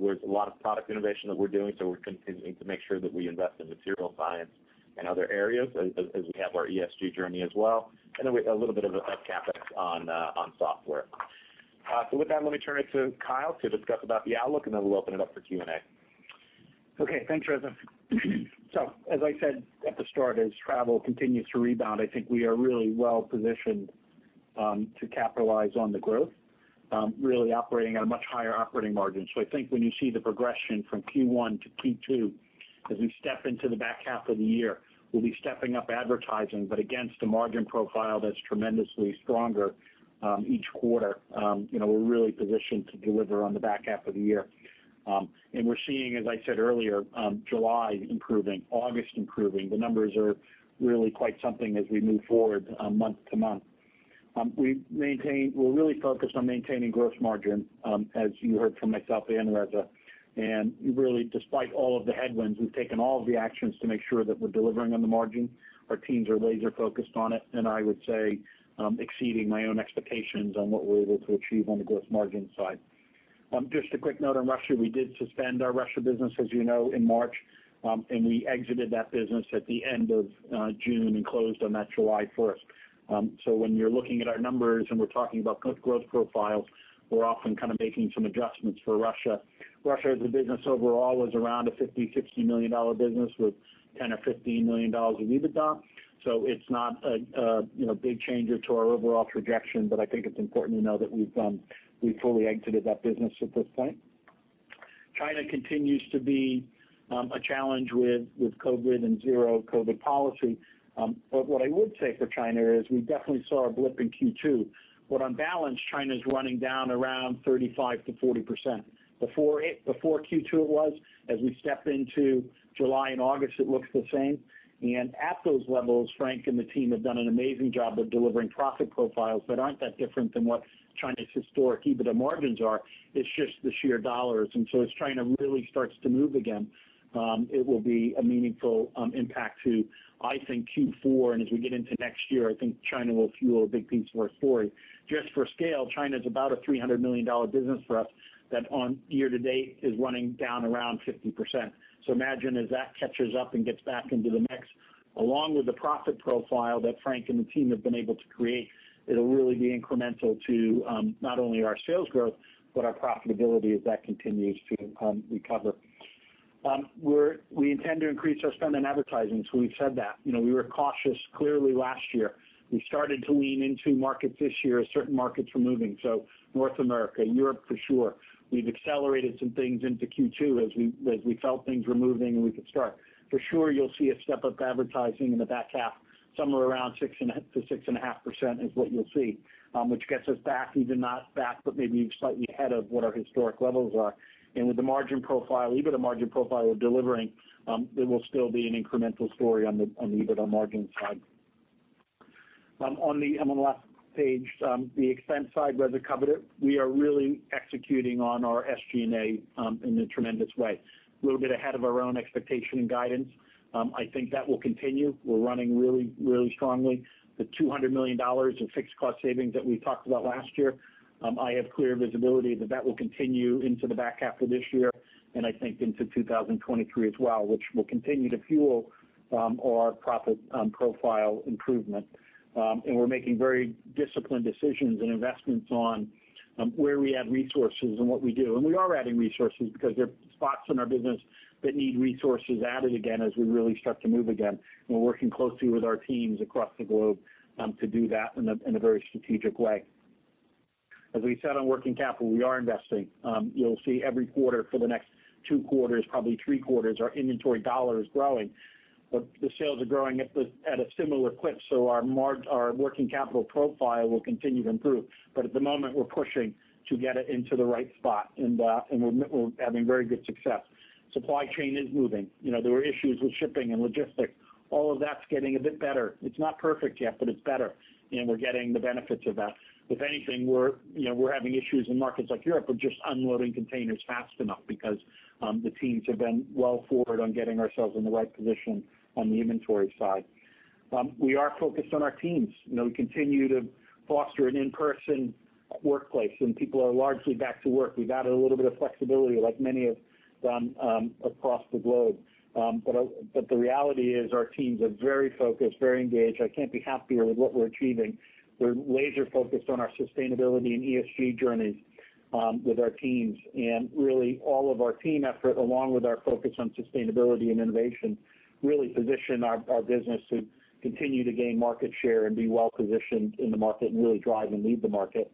There's a lot of product innovation that we're doing, so we're continuing to make sure that we invest in material science and other areas as we have our ESG journey as well. A little bit of CapEx on software. With that, let me turn it to Kyle to discuss about the outlook, and then we'll open it up for Q&A. Okay. Thanks, Reza. As I said at the start, as travel continues to rebound, I think we are really well positioned to capitalize on the growth, really operating at a much higher operating margin. I think when you see the progression from Q1 to Q2, as we step into the back half of the year, we'll be stepping up advertising, but against a margin profile that's tremendously stronger each quarter. You know, we're really positioned to deliver on the back half of the year. We're seeing, as I said earlier, July improving, August improving. The numbers are really quite something as we move forward month-over-month. We're really focused on maintaining gross margin, as you heard from myself and Reza. Really, despite all of the headwinds, we've taken all of the actions to make sure that we're delivering on the margin. Our teams are laser focused on it, and I would say, exceeding my own expectations on what we're able to achieve on the gross margin side. Just a quick note on Russia. We did suspend our Russia business, as you know, in March, and we exited that business at the end of June and closed on that July first. So when you're looking at our numbers and we're talking about growth profiles, we're often kind of making some adjustments for Russia. Russia as a business overall was around a $50-$60 million business with $10 or $15 million of EBITDA. It's not, you know, a big change to our overall trajectory, but I think it's important to know that we've fully exited that business at this point. China continues to be a challenge with COVID and zero-COVID policy. What I would say for China is we definitely saw a blip in Q2, but on balance, China's running at around 35%-40%. Before Q2 it was. As we step into July and August, it looks the same. At those levels, Frank and the team have done an amazing job of delivering profit profiles that aren't that different than what China's historic EBITDA margins are. It's just the sheer dollars. As China really starts to move again, it will be a meaningful impact to, I think, Q4. As we get into next year, I think China will fuel a big piece of our story. Just for scale, China is about a $300 million business for us that on year to date is running down around 50%. Imagine as that catches up and gets back into the mix, along with the profit profile that Frank and the team have been able to create, it'll really be incremental to, not only our sales growth, but our profitability as that continues to recover. We intend to increase our spend in advertising, so we've said that. You know, we were cautious clearly last year. We started to lean into markets this year, certain markets were moving. North America, Europe for sure. We've accelerated some things into Q2 as we felt things were moving and we could start. For sure, you'll see a step-up in advertising in the back half, somewhere around 6%-6.5% is what you'll see, which gets us back, even not back, but maybe slightly ahead of what our historic levels are. With the margin profile, EBITDA margin profile we're delivering, it will still be an incremental story on the EBITDA margin side. On the expense side, I'm on the last page. Reza covered it. We are really executing on our SG&A in a tremendous way. A little bit ahead of our own expectation and guidance. I think that will continue. We're running really strongly. The $200 million in fixed cost savings that we talked about last year, I have clear visibility that that will continue into the back half of this year and I think into 2023 as well, which will continue to fuel our profit profile improvement. We're making very disciplined decisions and investments on where we add resources and what we do. We are adding resources because there are spots in our business that need resources added again as we really start to move again. We're working closely with our teams across the globe to do that in a very strategic way. As we said on working capital, we are investing. You'll see every quarter for the next two quarters, probably three quarters, our inventory dollar is growing. The sales are growing at a similar clip, so our working capital profile will continue to improve. At the moment, we're pushing to get it into the right spot, and we're having very good success. Supply chain is moving. You know, there were issues with shipping and logistics. All of that's getting a bit better. It's not perfect yet, but it's better, and we're getting the benefits of that. If anything, you know, we're having issues in markets like Europe of just unloading containers fast enough because the teams have been well forward on getting ourselves in the right position on the inventory side. We are focused on our teams. You know, we continue to foster an in-person workplace, and people are largely back to work. We've added a little bit of flexibility like many have, across the globe. But the reality is our teams are very focused, very engaged. I can't be happier with what we're achieving. We're laser-focused on our sustainability and ESG journeys, with our teams. Really all of our team effort, along with our focus on sustainability and innovation, really position our business to continue to gain market share and be well positioned in the market and really drive and lead the market.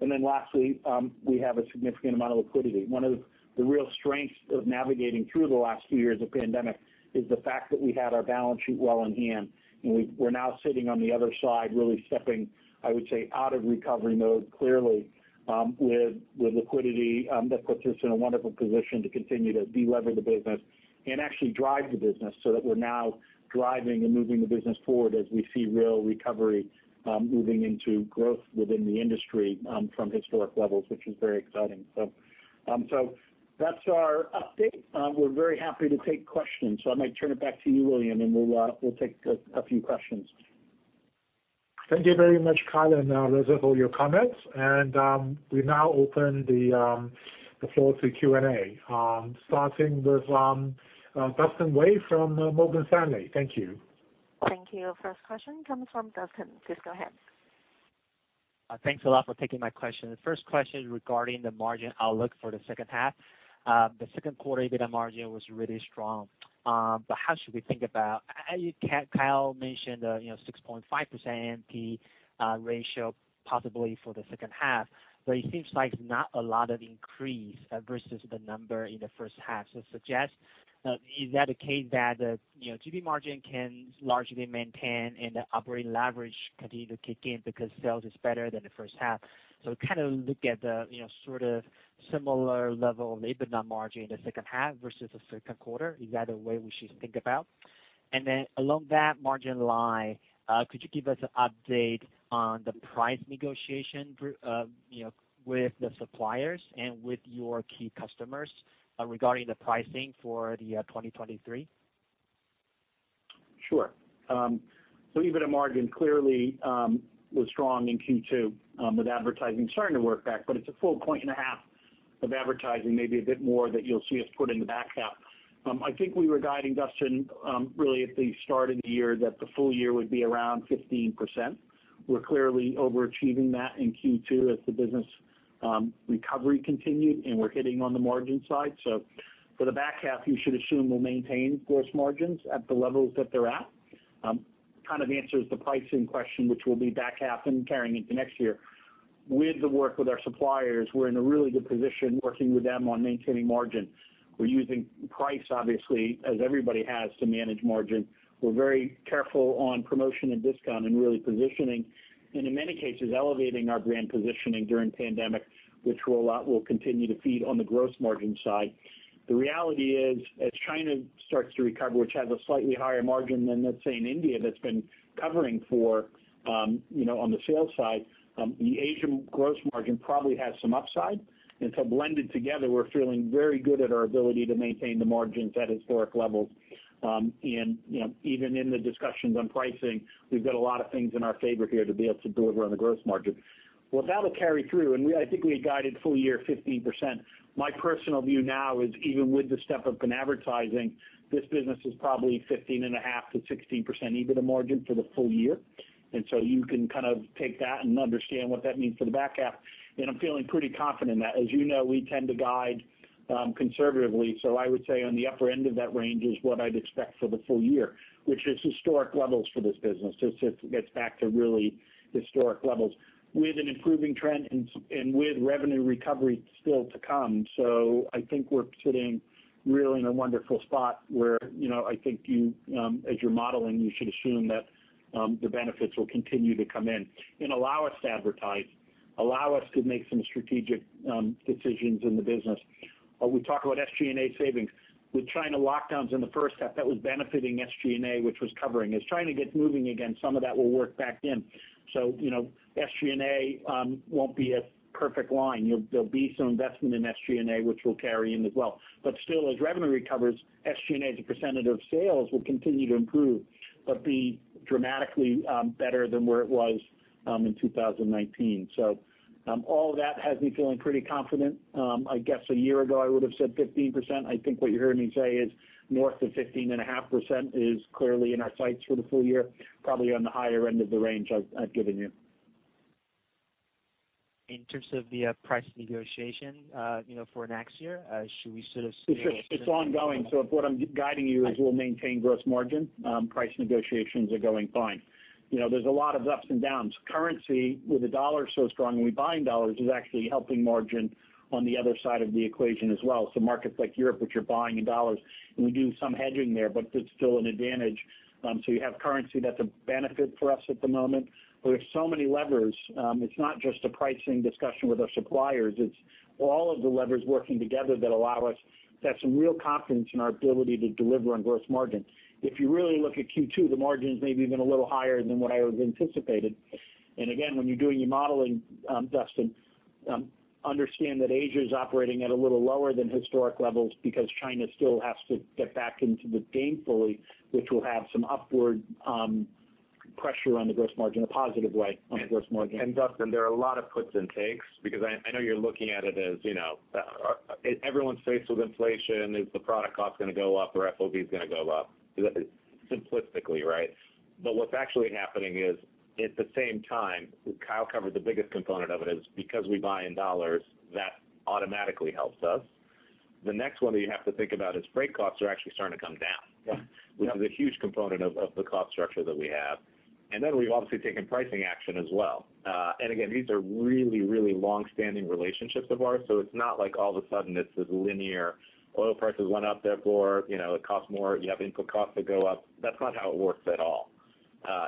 Lastly, we have a significant amount of liquidity. One of the real strengths of navigating through the last few years of pandemic is the fact that we had our balance sheet well in hand, and we're now sitting on the other side really stepping, I would say, out of recovery mode clearly, with liquidity that puts us in a wonderful position to continue to delever the business and actually drive the business so that we're now driving and moving the business forward as we see real recovery, moving into growth within the industry, from historic levels, which is very exciting. That's our update. We're very happy to take questions. I might turn it back to you, William, and we'll take a few questions. Thank you very much, Kyle and Reza, for all your comments. We now open the floor to Q&A, starting with Dustin Wei from Morgan Stanley. Thank you. Thank you. First question comes from Dustin. Please go ahead. Thanks a lot for taking my question. The first question regarding the margin outlook for the second half. The second quarter EBITDA margin was really strong, but how should we think about it. As Kyle mentioned, you know, 6.5%, the ratio possibly for the second half, but it seems like not a lot of increase versus the number in the first half. Is that a case that, you know, gross margin can largely maintain and the operating leverage continue to kick in because sales is better than the first half? Kind of look at the, you know, sort of similar level of EBITDA margin in the second half versus the second quarter. Is that a way we should think about? Along that margin line, could you give us an update on the price negotiation for, you know, with the suppliers and with your key customers, regarding the pricing for the 2023? Sure. EBITDA margin clearly was strong in Q2, with advertising starting to work back, but it's a full point and a half of advertising, maybe a bit more that you'll see us put in the back half. I think we were guiding, Dustin, really at the start of the year that the full year would be around 15%. We're clearly overachieving that in Q2 as the business recovery continued, and we're hitting on the margin side. For the back half, you should assume we'll maintain gross margins at the levels that they're at. It kind of answers the pricing question, which will be back half and carrying into next year. With the work with our suppliers, we're in a really good position working with them on maintaining margin. We're using price, obviously, as everybody has, to manage margin. We're very careful on promotion and discount and really positioning and in many cases, elevating our brand positioning during pandemic, which will continue to feed on the gross margin side. The reality is, as China starts to recover, which has a slightly higher margin than, let's say, in India that's been covering for, you know, on the sales side, the Asian gross margin probably has some upside. Blended together, we're feeling very good at our ability to maintain the margins at historic levels. You know, even in the discussions on pricing, we've got a lot of things in our favor here to be able to deliver on the gross margin. Well, that'll carry through, I think we had guided full year 15%. My personal view now is even with the step-up in advertising, this business is probably 15.5%-16% EBITDA margin for the full year. You can kind of take that and understand what that means for the back half. I'm feeling pretty confident in that. As you know, we tend to guide conservatively, so I would say on the upper end of that range is what I'd expect for the full year, which is historic levels for this business. This just gets back to really historic levels. With an improving trend and with revenue recovery still to come, I think we're sitting really in a wonderful spot where, you know, I think you as you're modeling, you should assume that the benefits will continue to come in and allow us to advertise, allow us to make some strategic decisions in the business. We talk about SG&A savings. With China lockdowns in the first half, that was benefiting SG&A, which was covering. As China gets moving again, some of that will work back in. You know, SG&A won't be a perfect line. There'll be some investment in SG&A which will carry in as well. Still, as revenue recovers, SG&A as a percentage of sales will continue to improve, but be dramatically better than where it was in 2019. All of that has me feeling pretty confident. I guess a year ago, I would've said 15%. I think what you're hearing me say is north of 15.5% is clearly in our sights for the full year, probably on the higher end of the range I've given you. In terms of the price negotiation, you know, for next year, should we sort of see? It's ongoing. If what I'm guiding you is we'll maintain gross margin, price negotiations are going fine. You know, there's a lot of ups and downs. Currency, with the dollar so strong and we buy in dollars, is actually helping margin on the other side of the equation as well. Markets like Europe, which are buying in dollars, and we do some hedging there, but it's still an advantage. You have currency that's a benefit for us at the moment. We have so many levers. It's not just a pricing discussion with our suppliers, it's all of the levers working together that allow us to have some real confidence in our ability to deliver on gross margin. If you really look at Q2, the margin's maybe even a little higher than what I would've anticipated. Again, when you're doing your modeling, Dustin, understand that Asia is operating at a little lower than historic levels because China still has to get back into the game fully, which will have some upward pressure on the gross margin, a positive way on the gross margin. Dustin, there are a lot of puts and takes because I know you're looking at it as, you know, everyone's faced with inflation, is the product cost gonna go up or FOB's gonna go up? Simplistically, right? But what's actually happening is, at the same time, Kyle covered the biggest component of it, is because we buy in dollars, that automatically helps us. The next one that you have to think about is freight costs are actually starting to come down. Yeah. Yeah. Which is a huge component of the cost structure that we have. Then we've obviously taken pricing action as well. Again, these are really, really long-standing relationships of ours, so it's not like all of a sudden it's this linear oil prices went up, therefore, you know, it costs more, you have input costs that go up. That's not how it works at all.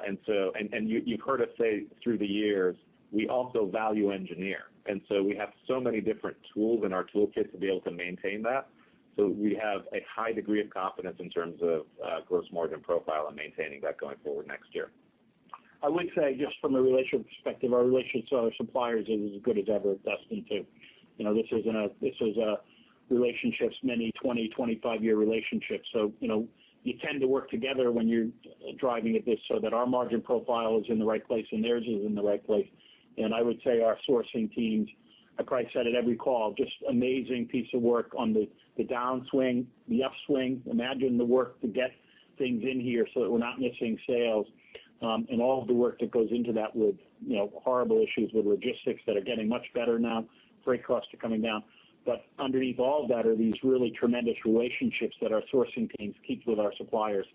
You've heard us say through the years, we also value engineer. We have so many different tools in our toolkit to be able to maintain that. We have a high degree of confidence in terms of gross margin profile and maintaining that going forward next year. I would say just from a relationship perspective, our relationship to our suppliers is as good as ever, Dustin, too. You know, this is a relationships, many 20, 25-year relationships. You know, you tend to work together when you're driving at this so that our margin profile is in the right place and theirs is in the right place. I would say our sourcing teams, like I said at every call, just amazing piece of work on the downswing, the upswing. Imagine the work to get things in here so that we're not missing sales, and all of the work that goes into that with, you know, horrible issues with logistics that are getting much better now. Freight costs are coming down. Underneath all of that are these really tremendous relationships that our sourcing teams keep with our suppliers,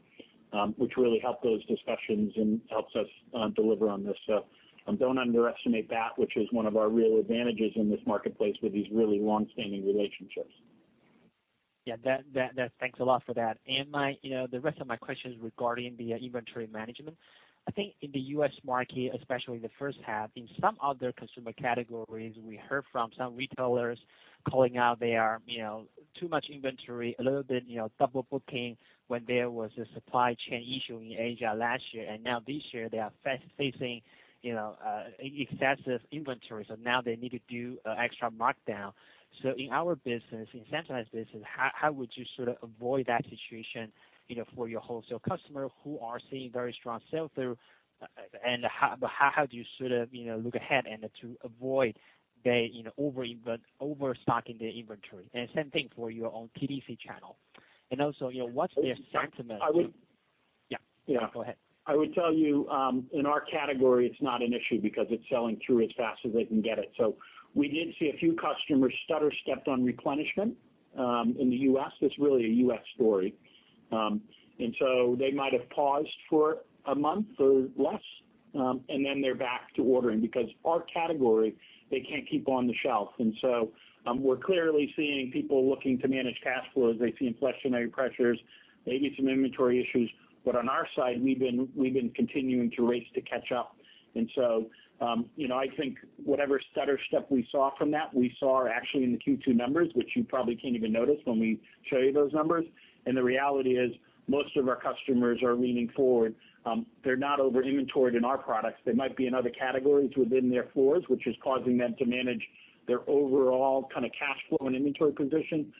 which really help those discussions and helps us deliver on this. Don't underestimate that, which is one of our real advantages in this marketplace with these really long-standing relationships. Yeah. That, thanks a lot for that. My, you know, the rest of my question is regarding the inventory management. I think in the U.S. market, especially in the first half, in some other consumer categories, we heard from some retailers calling out their, you know, too much inventory, a little bit, you know, double booking when there was a supply chain issue in Asia last year. Now this year they are facing, you know, excessive inventory, so now they need to do extra markdown. In our business, in centralized business, how would you sort of avoid that situation, you know, for your wholesale customer who are seeing very strong sell-through? How do you sort of, you know, look ahead and to avoid the, you know, overstocking the inventory? Same thing for your own DTC channel. Also, you know, what's their sentiment? I would- Yeah. Yeah. Go ahead. I would tell you, in our category, it's not an issue because it's selling through as fast as they can get it. We did see a few customers stutter stepped on replenishment, in the US. That's really a US story. They might have paused for a month or less, and then they're back to ordering because our category, they can't keep on the shelf. We're clearly seeing people looking to manage cash flows. They see inflationary pressures, maybe some inventory issues. On our side, we've been continuing to race to catch up. You know, I think whatever stutter step we saw from that, we saw actually in the Q2 numbers, which you probably can't even notice when we show you those numbers. The reality is most of our customers are leaning forward. They're not over-inventoried in our products. They might be in other categories within their floors, which is causing them to manage their overall kind of cash flow and inventory position.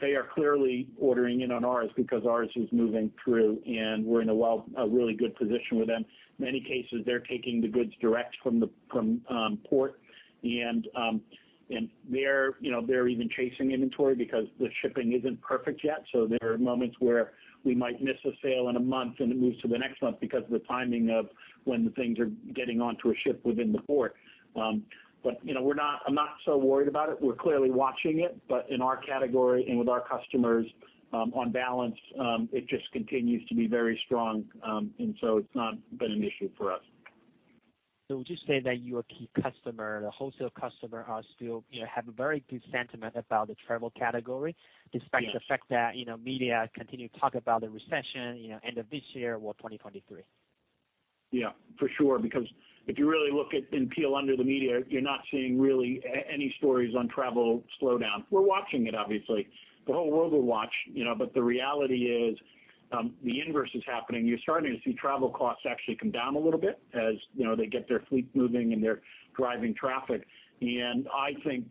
They are clearly ordering in on ours because ours is moving through, and we're in a really good position with them. In many cases, they're taking the goods direct from the port, and they're even chasing inventory because the shipping isn't perfect yet. There are moments where we might miss a sale in a month, and it moves to the next month because of the timing of when the things are getting onto a ship within the port. You know, I'm not so worried about it. We're clearly watching it. In our category and with our customers, on balance, it just continues to be very strong. It's not been an issue for us. Would you say that your key customer, the wholesale customer, are still, you know, have a very good sentiment about the travel category? Yeah. Despite the fact that, you know, media continue to talk about the recession, you know, end of this year or 2023? Yeah, for sure, because if you really look at and peel back the media, you're not seeing really any stories on travel slowdown. We're watching it, obviously. The whole world will watch, you know, but the reality is, the inverse is happening. You're starting to see travel costs actually come down a little bit as, you know, they get their fleet moving, and they're driving traffic. I think,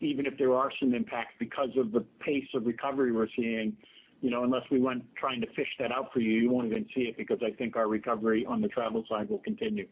even if there are some impacts because of the pace of recovery we're seeing, you know, unless we want to fish that out for you won't even see it because I think our recovery on the travel side will continue.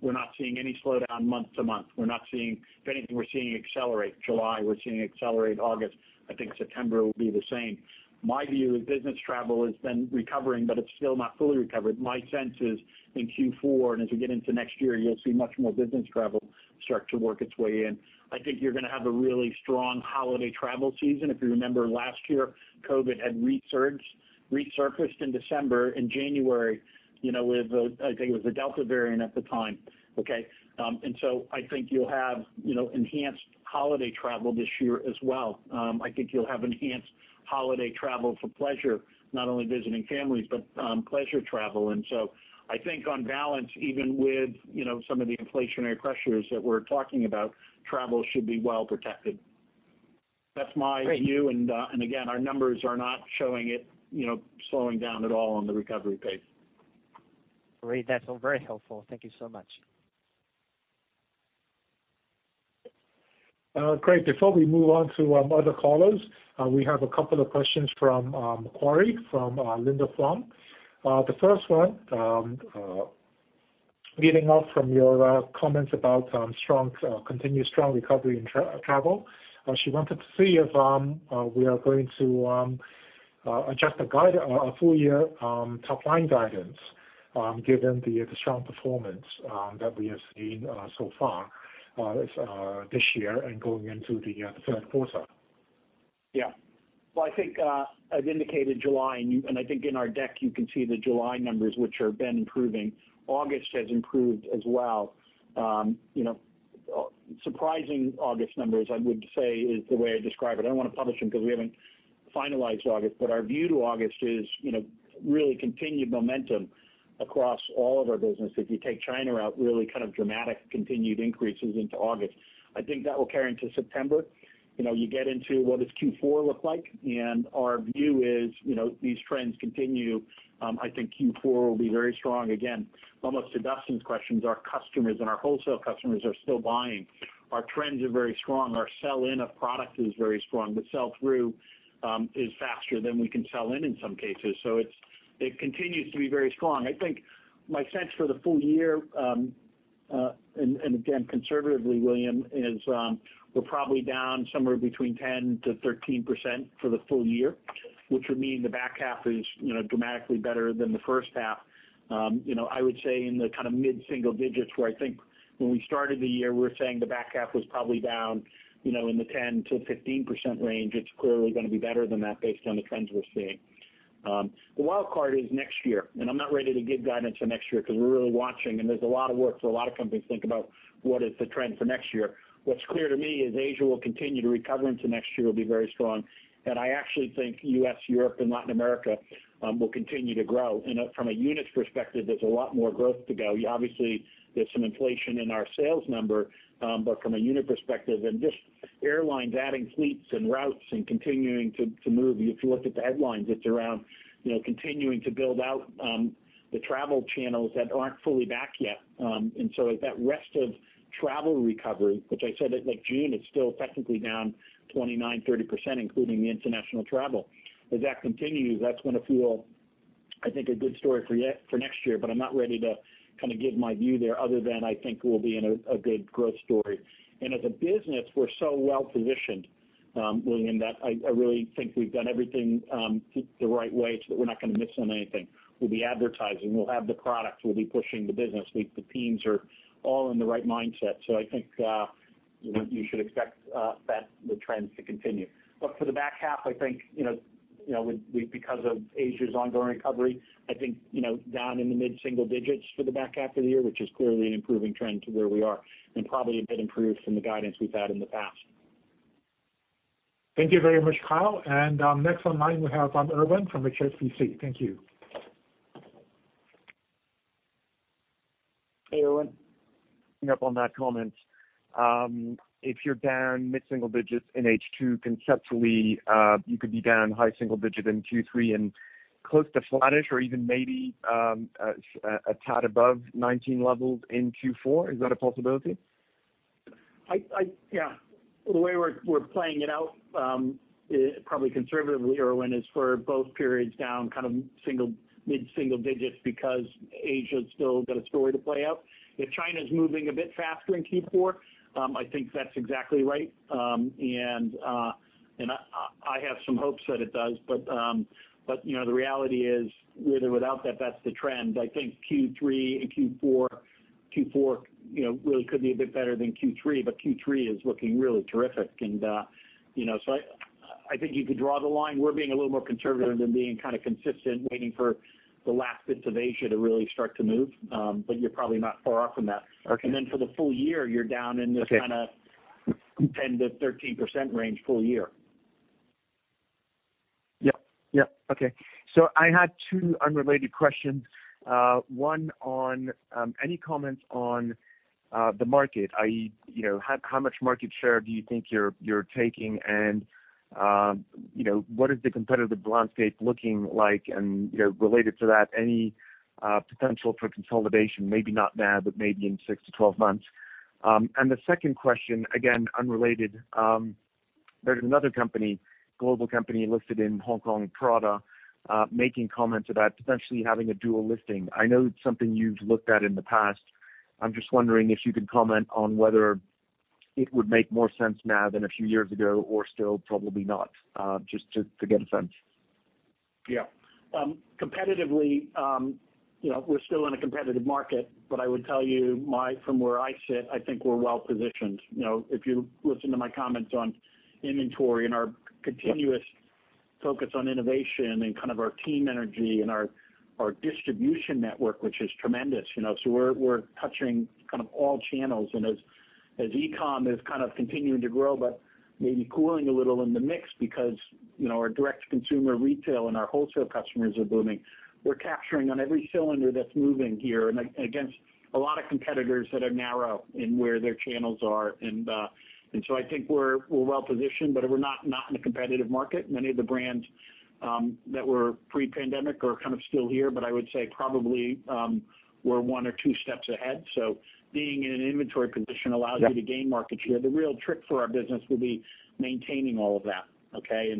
We're not seeing any slowdown month-to-month. We're not seeing. If anything, we're seeing acceleration in July, we're seeing acceleration in August. I think September will be the same. My view is business travel has been recovering, but it's still not fully recovered. My sense is in Q4, and as we get into next year, you'll see much more business travel start to work its way in. I think you're gonna have a really strong holiday travel season. If you remember last year, COVID had resurfaced in December and January, you know, with, I think it was the Delta variant at the time. Okay. I think you'll have, you know, enhanced holiday travel this year as well. I think you'll have enhanced holiday travel for pleasure, not only visiting families, but, pleasure travel. I think on balance, even with, you know, some of the inflationary pressures that we're talking about, travel should be well protected. That's my view. Great. Again, our numbers are not showing it, you know, slowing down at all on the recovery pace. Great. That's all very helpful. Thank you so much. Great. Before we move on to other callers, we have a couple of questions from Macquarie from Linda Huang. The first one, leading off from your comments about continued strong recovery in travel, she wanted to see if we are going to adjust the guide, our full year top line guidance, given the strong performance that we have seen so far this year and going into the third quarter. Yeah. Well, I think, as indicated July, and I think in our deck, you can see the July numbers, which have been improving. August has improved as well. You know, surprising August numbers, I would say is the way I describe it. I don't wanna publish them because we haven't finalized August, but our view to August is, you know, really continued momentum across all of our business. If you take China out, really kind of dramatic continued increases into August. I think that will carry into September. You know, you get into what does Q4 look like? Our view is, you know, these trends continue. I think Q4 will be very strong. Again, almost to Dustin's questions, our customers and our wholesale customers are still buying. Our trends are very strong. Our sell-in of product is very strong. The sell-through is faster than we can sell in some cases. It continues to be very strong. I think my sense for the full year, and again, conservatively, William, is we're probably down somewhere between 10%-13% for the full year, which would mean the back half is, you know, dramatically better than the first half. You know, I would say in the kind of mid-single digits where I think when we started the year, we were saying the back half was probably down, you know, in the 10%-15% range. It's clearly gonna be better than that based on the trends we're seeing. The wild card is next year, and I'm not ready to give guidance for next year because we're really watching, and there's a lot of work for a lot of companies to think about what is the trend for next year. What's clear to me is Asia will continue to recover into next year, will be very strong. I actually think U.S., Europe, and Latin America will continue to grow. You know, from a units perspective, there's a lot more growth to go. Obviously, there's some inflation in our sales number, but from a unit perspective, and just airlines adding fleets and routes and continuing to move. If you look at the headlines, it's around, you know, continuing to build out the travel channels that aren't fully back yet. As the rest of the travel recovery, which I said at, like, June is still technically down 29%-30%, including the international travel. As that continues, that's gonna fuel, I think, a good story for next year, but I'm not ready to kinda give my view there other than I think we'll be in a good growth story. As a business, we're so well positioned, William, that I really think we've done everything the right way so that we're not gonna miss on anything. We'll be advertising. We'll have the products. We'll be pushing the business. The teams are all in the right mindset. You should expect the trends to continue. For the back half, I think, you know, because of Asia's ongoing recovery, I think, you know, down in the mid-single digits for the back half of the year, which is clearly an improving trend to where we are and probably a bit improved from the guidance we've had in the past. Thank you very much, Kyle. Next on line we have Erwin from HSBC. Thank you. Hey, Erwin. Following up on that comment. If you're down mid-single digits in H2 conceptually, you could be down high single digit in Q3 and close to flattish or even maybe a tad above 19 levels in Q4. Is that a possibility? Yeah. The way we're playing it out, probably conservatively, Erwin, is for both periods down kind of mid-single digits because Asia's still got a story to play out. If China's moving a bit faster in Q4, I think that's exactly right. I have some hopes that it does. You know, the reality is, with or without that's the trend. I think Q3 and Q4 really could be a bit better than Q3, but Q3 is looking really terrific. You know, I think you could draw the line. We're being a little more conservative than being kind of consistent, waiting for the last bits of Asia to really start to move, but you're probably not far off from that. Okay. For the full year, you're down in this kinda- Okay. 10%-13% range full year. Yep. Okay. I had two unrelated questions. One on any comments on the market, i.e., you know, how much market share do you think you're taking? And you know, what is the competitive landscape looking like? And you know, related to that, any potential for consolidation, maybe not now, but maybe in 6-12 months. The second question, again, unrelated. There's another company, global company listed in Hong Kong, Prada, making comments about potentially having a dual listing. I know it's something you've looked at in the past. I'm just wondering if you could comment on whether it would make more sense now than a few years ago or still probably not, just to get a sense. Yeah. Competitively, you know, we're still in a competitive market, but I would tell you from where I sit, I think we're well positioned. You know, if you listen to my comments on inventory and our continuous focus on innovation and kind of our team energy and our distribution network, which is tremendous, you know. We're touching kind of all channels. As e-com is kind of continuing to grow, but maybe cooling a little in the mix because, you know, our direct-to-consumer retail and our wholesale customers are booming. We're capturing on every cylinder that's moving here and against a lot of competitors that are narrow in where their channels are. I think we're well positioned, but we're not in a competitive market. Many of the brands that were pre-pandemic are kind of still here, but I would say probably we're one or two steps ahead. Being in an inventory position allows you to gain market share. The real trick for our business will be maintaining all of that, okay?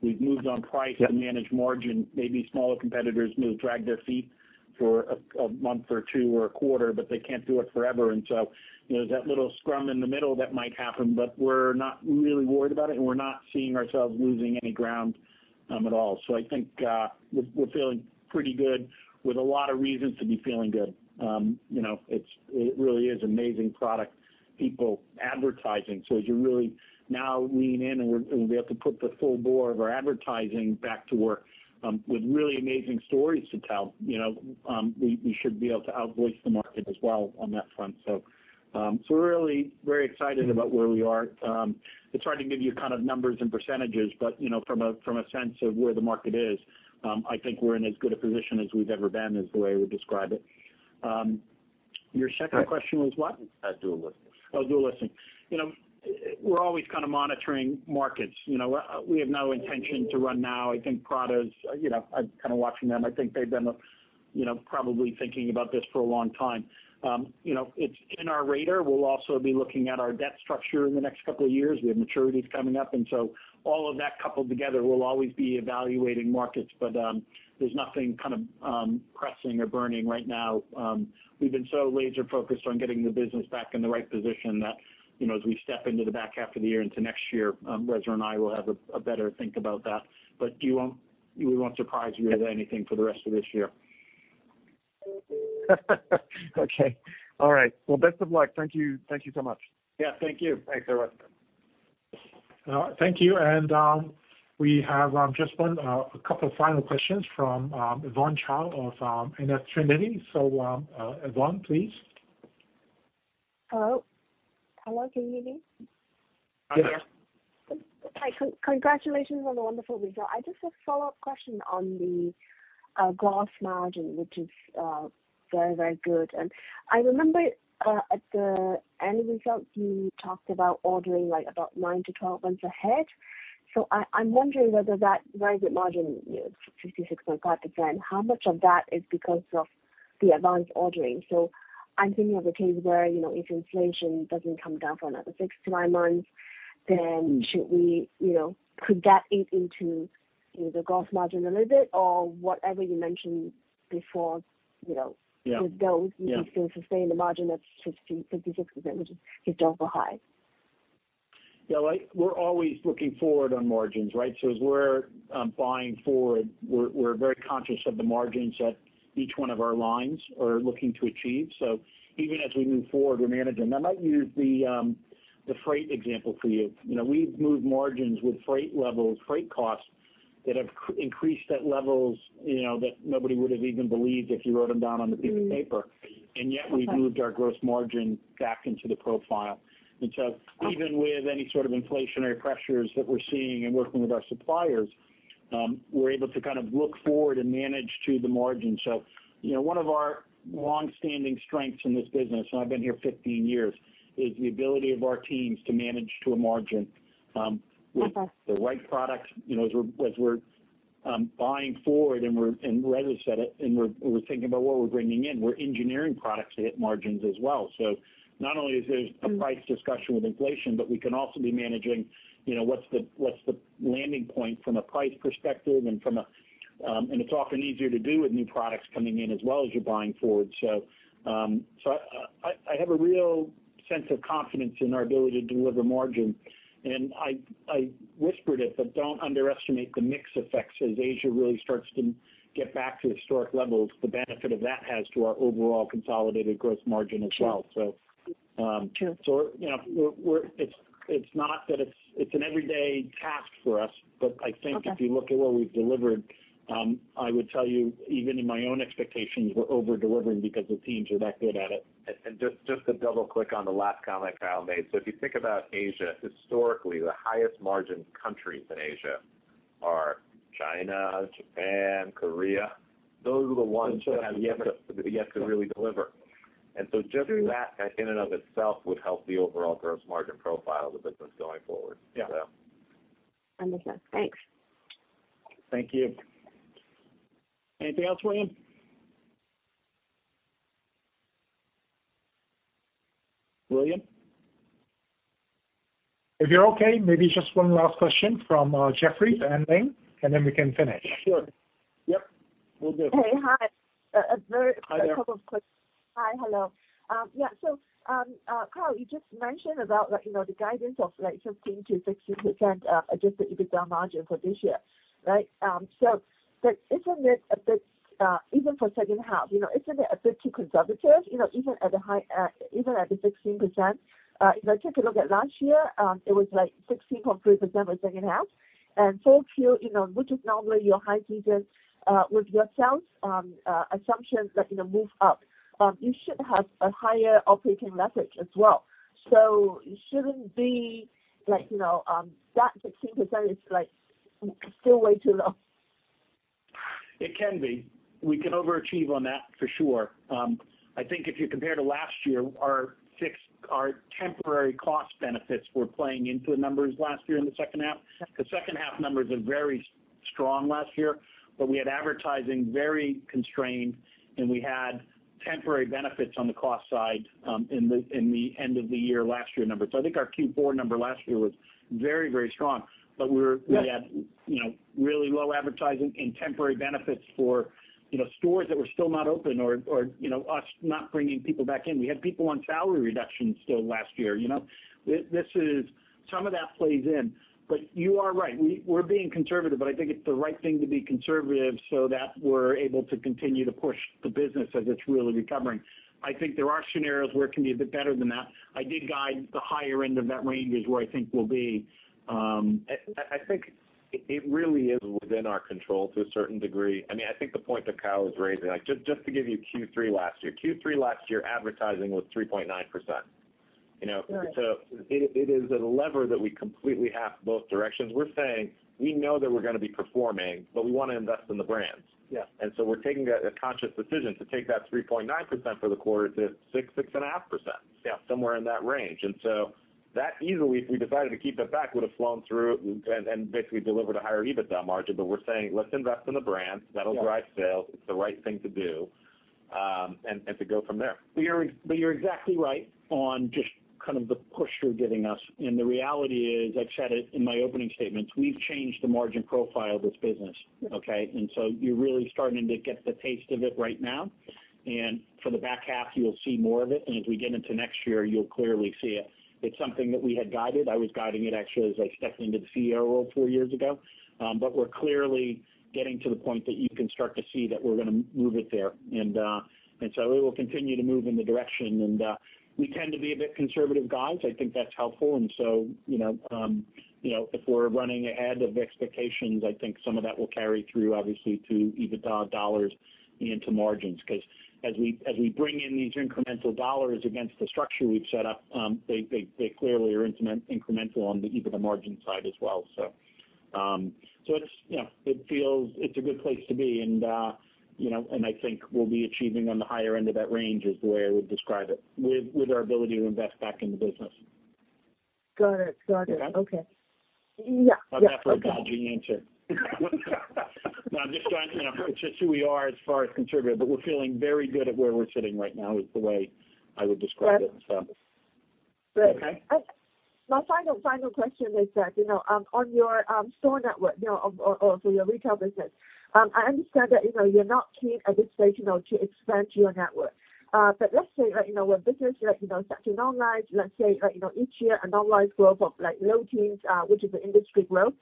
We've moved on price and managed margin. Maybe smaller competitors may drag their feet for a month or two or a quarter, but they can't do it forever. You know, there's that little scrum in the middle that might happen, but we're not really worried about it, and we're not seeing ourselves losing any ground at all. I think we're feeling pretty good with a lot of reasons to be feeling good. You know, it really is amazing product, people advertising. As you really now lean in and we have to put the full bore of our advertising back to work, with really amazing stories to tell. You know, we should be able to outvoice the market as well on that front. We're really very excited about where we are. It's hard to give you kind of numbers and percentages, but, you know, from a sense of where the market is, I think we're in as good a position as we've ever been, is the way I would describe it. Your second question was what? Dual listing. Oh, dual listing. You know, we're always kinda monitoring markets. You know, we have no intention to run now. I think Prada's, you know, I'm kinda watching them. I think they've been, you know, probably thinking about this for a long time. You know, it's on our radar. We'll also be looking at our debt structure in the next couple of years. We have maturities coming up, and so all of that coupled together, we'll always be evaluating markets. There's nothing kind of pressing or burning right now. We've been so laser focused on getting the business back in the right position that, you know, as we step into the back half of the year into next year, Reza and I will have a better think about that. We won't surprise you with anything for the rest of this year. Okay. All right. Well, best of luck. Thank you. Thank you so much. Yeah, thank you. Thanks, Erwin. Thank you. We have a couple of final questions from Yvonne Chow of NF Trinity. Yvonne, please. Hello? Hello, can you hear me? Yes. Hi. Congratulations on the wonderful result. I just have a follow-up question on the gross margin, which is very, very good. I remember at the year-end results, you talked about ordering, like, about 9-12 months ahead. I'm wondering whether that very good margin, you know, 56.5%, how much of that is because of the advanced ordering? I'm thinking of a case where, you know, if inflation doesn't come down for another 6-9 months, then, you know, could that eat into, you know, the gross margin a little bit or whatever you mentioned before, you know. Yeah. With those you can still sustain the margin of 50%-56%, which is historical high. Yeah, like we're always looking forward on margins, right? As we're buying forward, we're very conscious of the margins that each one of our lines are looking to achieve. Even as we move forward, we manage them. I might use the freight example for you. You know, we've moved margins with freight levels, freight costs that have increased at levels, you know, that nobody would have even believed if you wrote them down on a piece of paper. Yet we've moved our gross margin back into the profile. Even with any sort of inflationary pressures that we're seeing and working with our suppliers, we're able to kind of look forward and manage to the margin. You know, one of our long-standing strengths in this business, and I've been here 15 years, is the ability of our teams to manage to a margin. Okay. with the right products. You know, as we're buying forward and Reza said it, and we're thinking about what we're bringing in, we're engineering products to hit margins as well. Not only is there a price discussion with inflation, but we can also be managing, you know, what's the landing point from a price perspective and from a. It's often easier to do with new products coming in as well as you're buying forward. I have a real sense of confidence in our ability to deliver margin. I whispered it, but don't underestimate the mix effects as Asia really starts to get back to historic levels, the benefit of that has to our overall consolidated gross margin as well. Sure. Sure. You know, it's not that it's. It's an everyday task for us. Okay. I think if you look at what we've delivered, I would tell you, even in my own expectations, we're over-delivering because the teams are that good at it. Just to double-click on the last comment Kyle made. If you think about Asia, historically, the highest margin countries in Asia are China, Japan, Korea. Those are the ones that have yet to really deliver. Just that in and of itself would help the overall gross margin profile of the business going forward. Yeah. So. Understood. Thanks. Thank you. Anything else, William? If you're okay, maybe just one last question from Jefferies and then we can finish. Sure. Yep. We're good. Hey. Hi. Hi there. Hi. Hello. Yeah, so, Kyle, you just mentioned about, like, you know, the guidance of, like, 15%-16% adjusted EBITDA margin for this year, right? Isn't it a bit even for second half, you know, isn't it a bit too conservative, you know, even at the high, even at the 16%? You know, take a look at last year, it was like 16.3% for second half. Fourth quarter, you know, which is normally your high season, with your sales assumptions that, you know, move up, you should have a higher operating leverage as well. It shouldn't be like, you know, that 16% is, like, still way too low. It can be. We can overachieve on that for sure. I think if you compare to last year, our temporary cost benefits were playing into the numbers last year in the second half. The second half numbers are very strong last year, but we had advertising very constrained, and we had temporary benefits on the cost side, in the end of the year last year numbers. I think our Q4 number last year was very, very strong. We're Yes. We had, you know, really low advertising and temporary benefits for, you know, stores that were still not open or, you know, us not bringing people back in. We had people on salary reductions still last year, you know. This is some of that plays in. You are right, we're being conservative, but I think it's the right thing to be conservative so that we're able to continue to push the business as it's really recovering. I think there are scenarios where it can be a bit better than that. I did guide the higher end of that range is where I think we'll be. I think it really is within our control to a certain degree. I mean, I think the point that Kyle is raising, like just to give you Q3 last year. Q3 last year, advertising was 3.9%, you know. Right. It is a lever that we completely have both directions. We're saying we know that we're gonna be performing, but we wanna invest in the brands. Yeah. We're taking a conscious decision to take that 3.9% for the quarter to 6.5%. Yeah. Somewhere in that range. That easily, if we decided to keep it back, would have flown through and basically delivered a higher EBITDA margin. We're saying, let's invest in the brands. Yeah. That'll drive sales. It's the right thing to do, and to go from there. You're exactly right on just kind of the push you're giving us. The reality is, I've said it in my opening statements, we've changed the margin profile of this business, okay. You're really starting to get the taste of it right now. For the back half, you'll see more of it. As we get into next year, you'll clearly see it. It's something that we had guided. I was guiding it actually as I stepped into the CEO role four years ago. We're clearly getting to the point that you can start to see that we're gonna move it there. We will continue to move in the direction. We tend to be a bit conservative guys. I think that's helpful. You know, if we're running ahead of expectations, I think some of that will carry through obviously to EBITDA dollars into margins. 'Cause as we bring in these incremental dollars against the structure we've set up, they clearly are incremental on the EBITDA margin side as well. It's, you know, it feels it's a good place to be. You know, and I think we'll be achieving on the higher end of that range is the way I would describe it with our ability to invest back in the business. Got it. Got it. Okay? Okay. Yeah. Okay. Not that we're dodging the answer. No, I'm just trying, you know. It's just who we are as far as conservative, but we're feeling very good at where we're sitting right now, is the way I would describe it. Got it. So. Great. Okay? My final question is that, you know, on your store network, you know, or your retail business, I understand that, you know, you're not keen at this stage, you know, to expand your network. But let's say, like, you know, when business, like, you know, starts to normalize, let's say, like, you know, each year a normalized growth of like low teens%, which is the industry growth,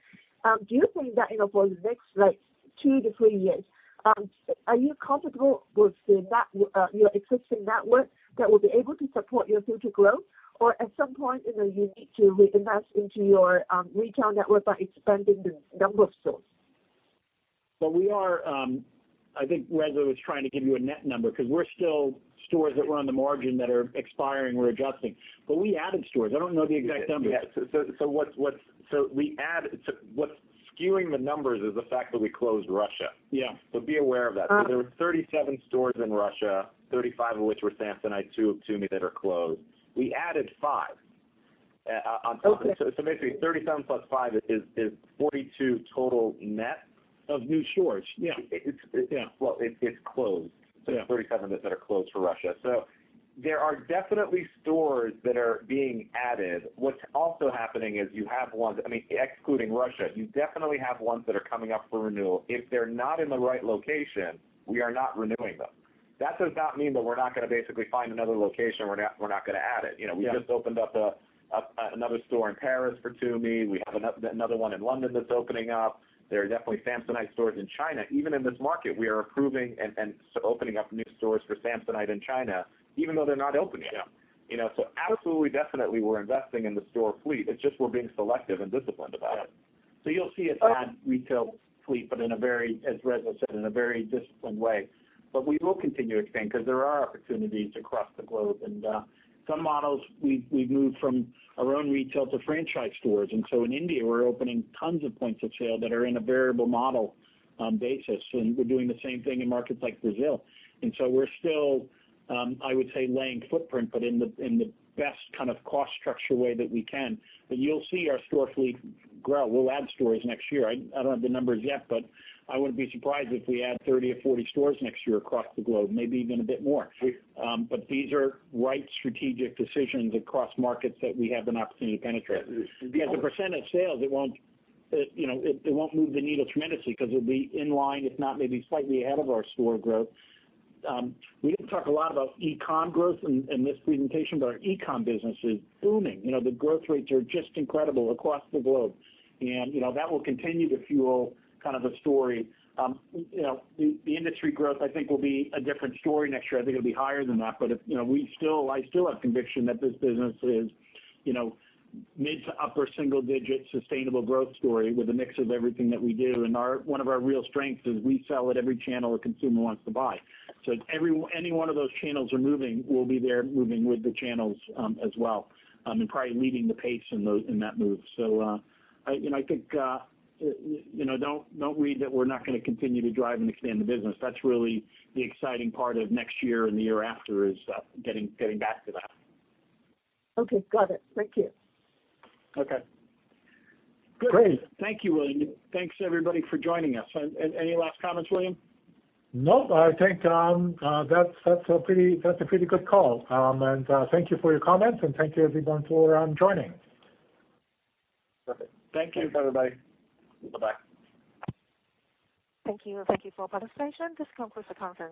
do you think that, you know, for the next 2-3 years, are you comfortable with your existing network that will be able to support your future growth? Or at some point, you know, you need to reinvest into your retail network by expanding the number of stores. Well, I think Reza was trying to give you a net number because we're still stores that were on the margin that are expiring, we're adjusting. We added stores. I don't know the exact number. Yeah. What's skewing the numbers is the fact that we closed Russia. Yeah. Be aware of that. Uh-huh. There were 37 stores in Russia, 35 of which were Samsonite, two of Tumi that are closed. We added five on top. Okay. Basically 37 plus 5 is 42 total net. Of new stores. Yeah. It's Yeah. Well, it's closed. Yeah. 37 that are closed for Russia. There are definitely stores that are being added. What's also happening is you have ones, I mean, excluding Russia, you definitely have ones that are coming up for renewal. If they're not in the right location, we are not renewing them. That does not mean that we're not gonna basically find another location, we're not gonna add it. You know. Yeah. We just opened up another store in Paris for Tumi. We have another one in London that's opening up. There are definitely Samsonite stores in China. Even in this market, we are approving and so opening up new stores for Samsonite in China, even though they're not open yet. Yeah. You know? Absolutely, definitely we're investing in the store fleet. It's just we're being selective and disciplined about it. Yeah. You'll see us add retail fleet, but in a very, as Reza said, in a very disciplined way. We will continue to expand because there are opportunities across the globe. Some models we've moved from our own retail to franchise stores. In India, we're opening tons of points of sale that are in a variable model basis. We're doing the same thing in markets like Brazil. We're still, I would say, laying footprint, but in the best kind of cost structure way that we can. You'll see our store fleet grow. We'll add stores next year. I don't have the numbers yet, but I wouldn't be surprised if we add 30 or 40 stores next year across the globe, maybe even a bit more. Sweet. These are right strategic decisions across markets that we have an opportunity to penetrate. As a % of sales, it won't, you know, move the needle tremendously because it'll be in line, if not maybe slightly ahead of our store growth. We didn't talk a lot about e-com growth in this presentation, but our e-com business is booming. You know, the growth rates are just incredible across the globe. You know, that will continue to fuel kind of the story. You know, the industry growth, I think will be a different story next year. I think it'll be higher than that. You know, we still, I still have conviction that this business is, you know, mid- to upper-single-digit sustainable growth story with a mix of everything that we do. One of our real strengths is we sell at every channel a consumer wants to buy. Any one of those channels are moving, we'll be there moving with the channels as well, and probably leading the pace in that move. You know, I think you know, don't read that we're not gonna continue to drive and expand the business. That's really the exciting part of next year and the year after, getting back to that. Okay. Got it. Thank you. Okay. Great. Thank you, William. Thanks everybody for joining us. Any last comments, William? No, I think that's a pretty good call. Thank you for your comments, and thank you everyone for joining. Perfect. Thank you. Thanks, everybody. Bye-bye. Thank you, and thank you for participation. This concludes the conference.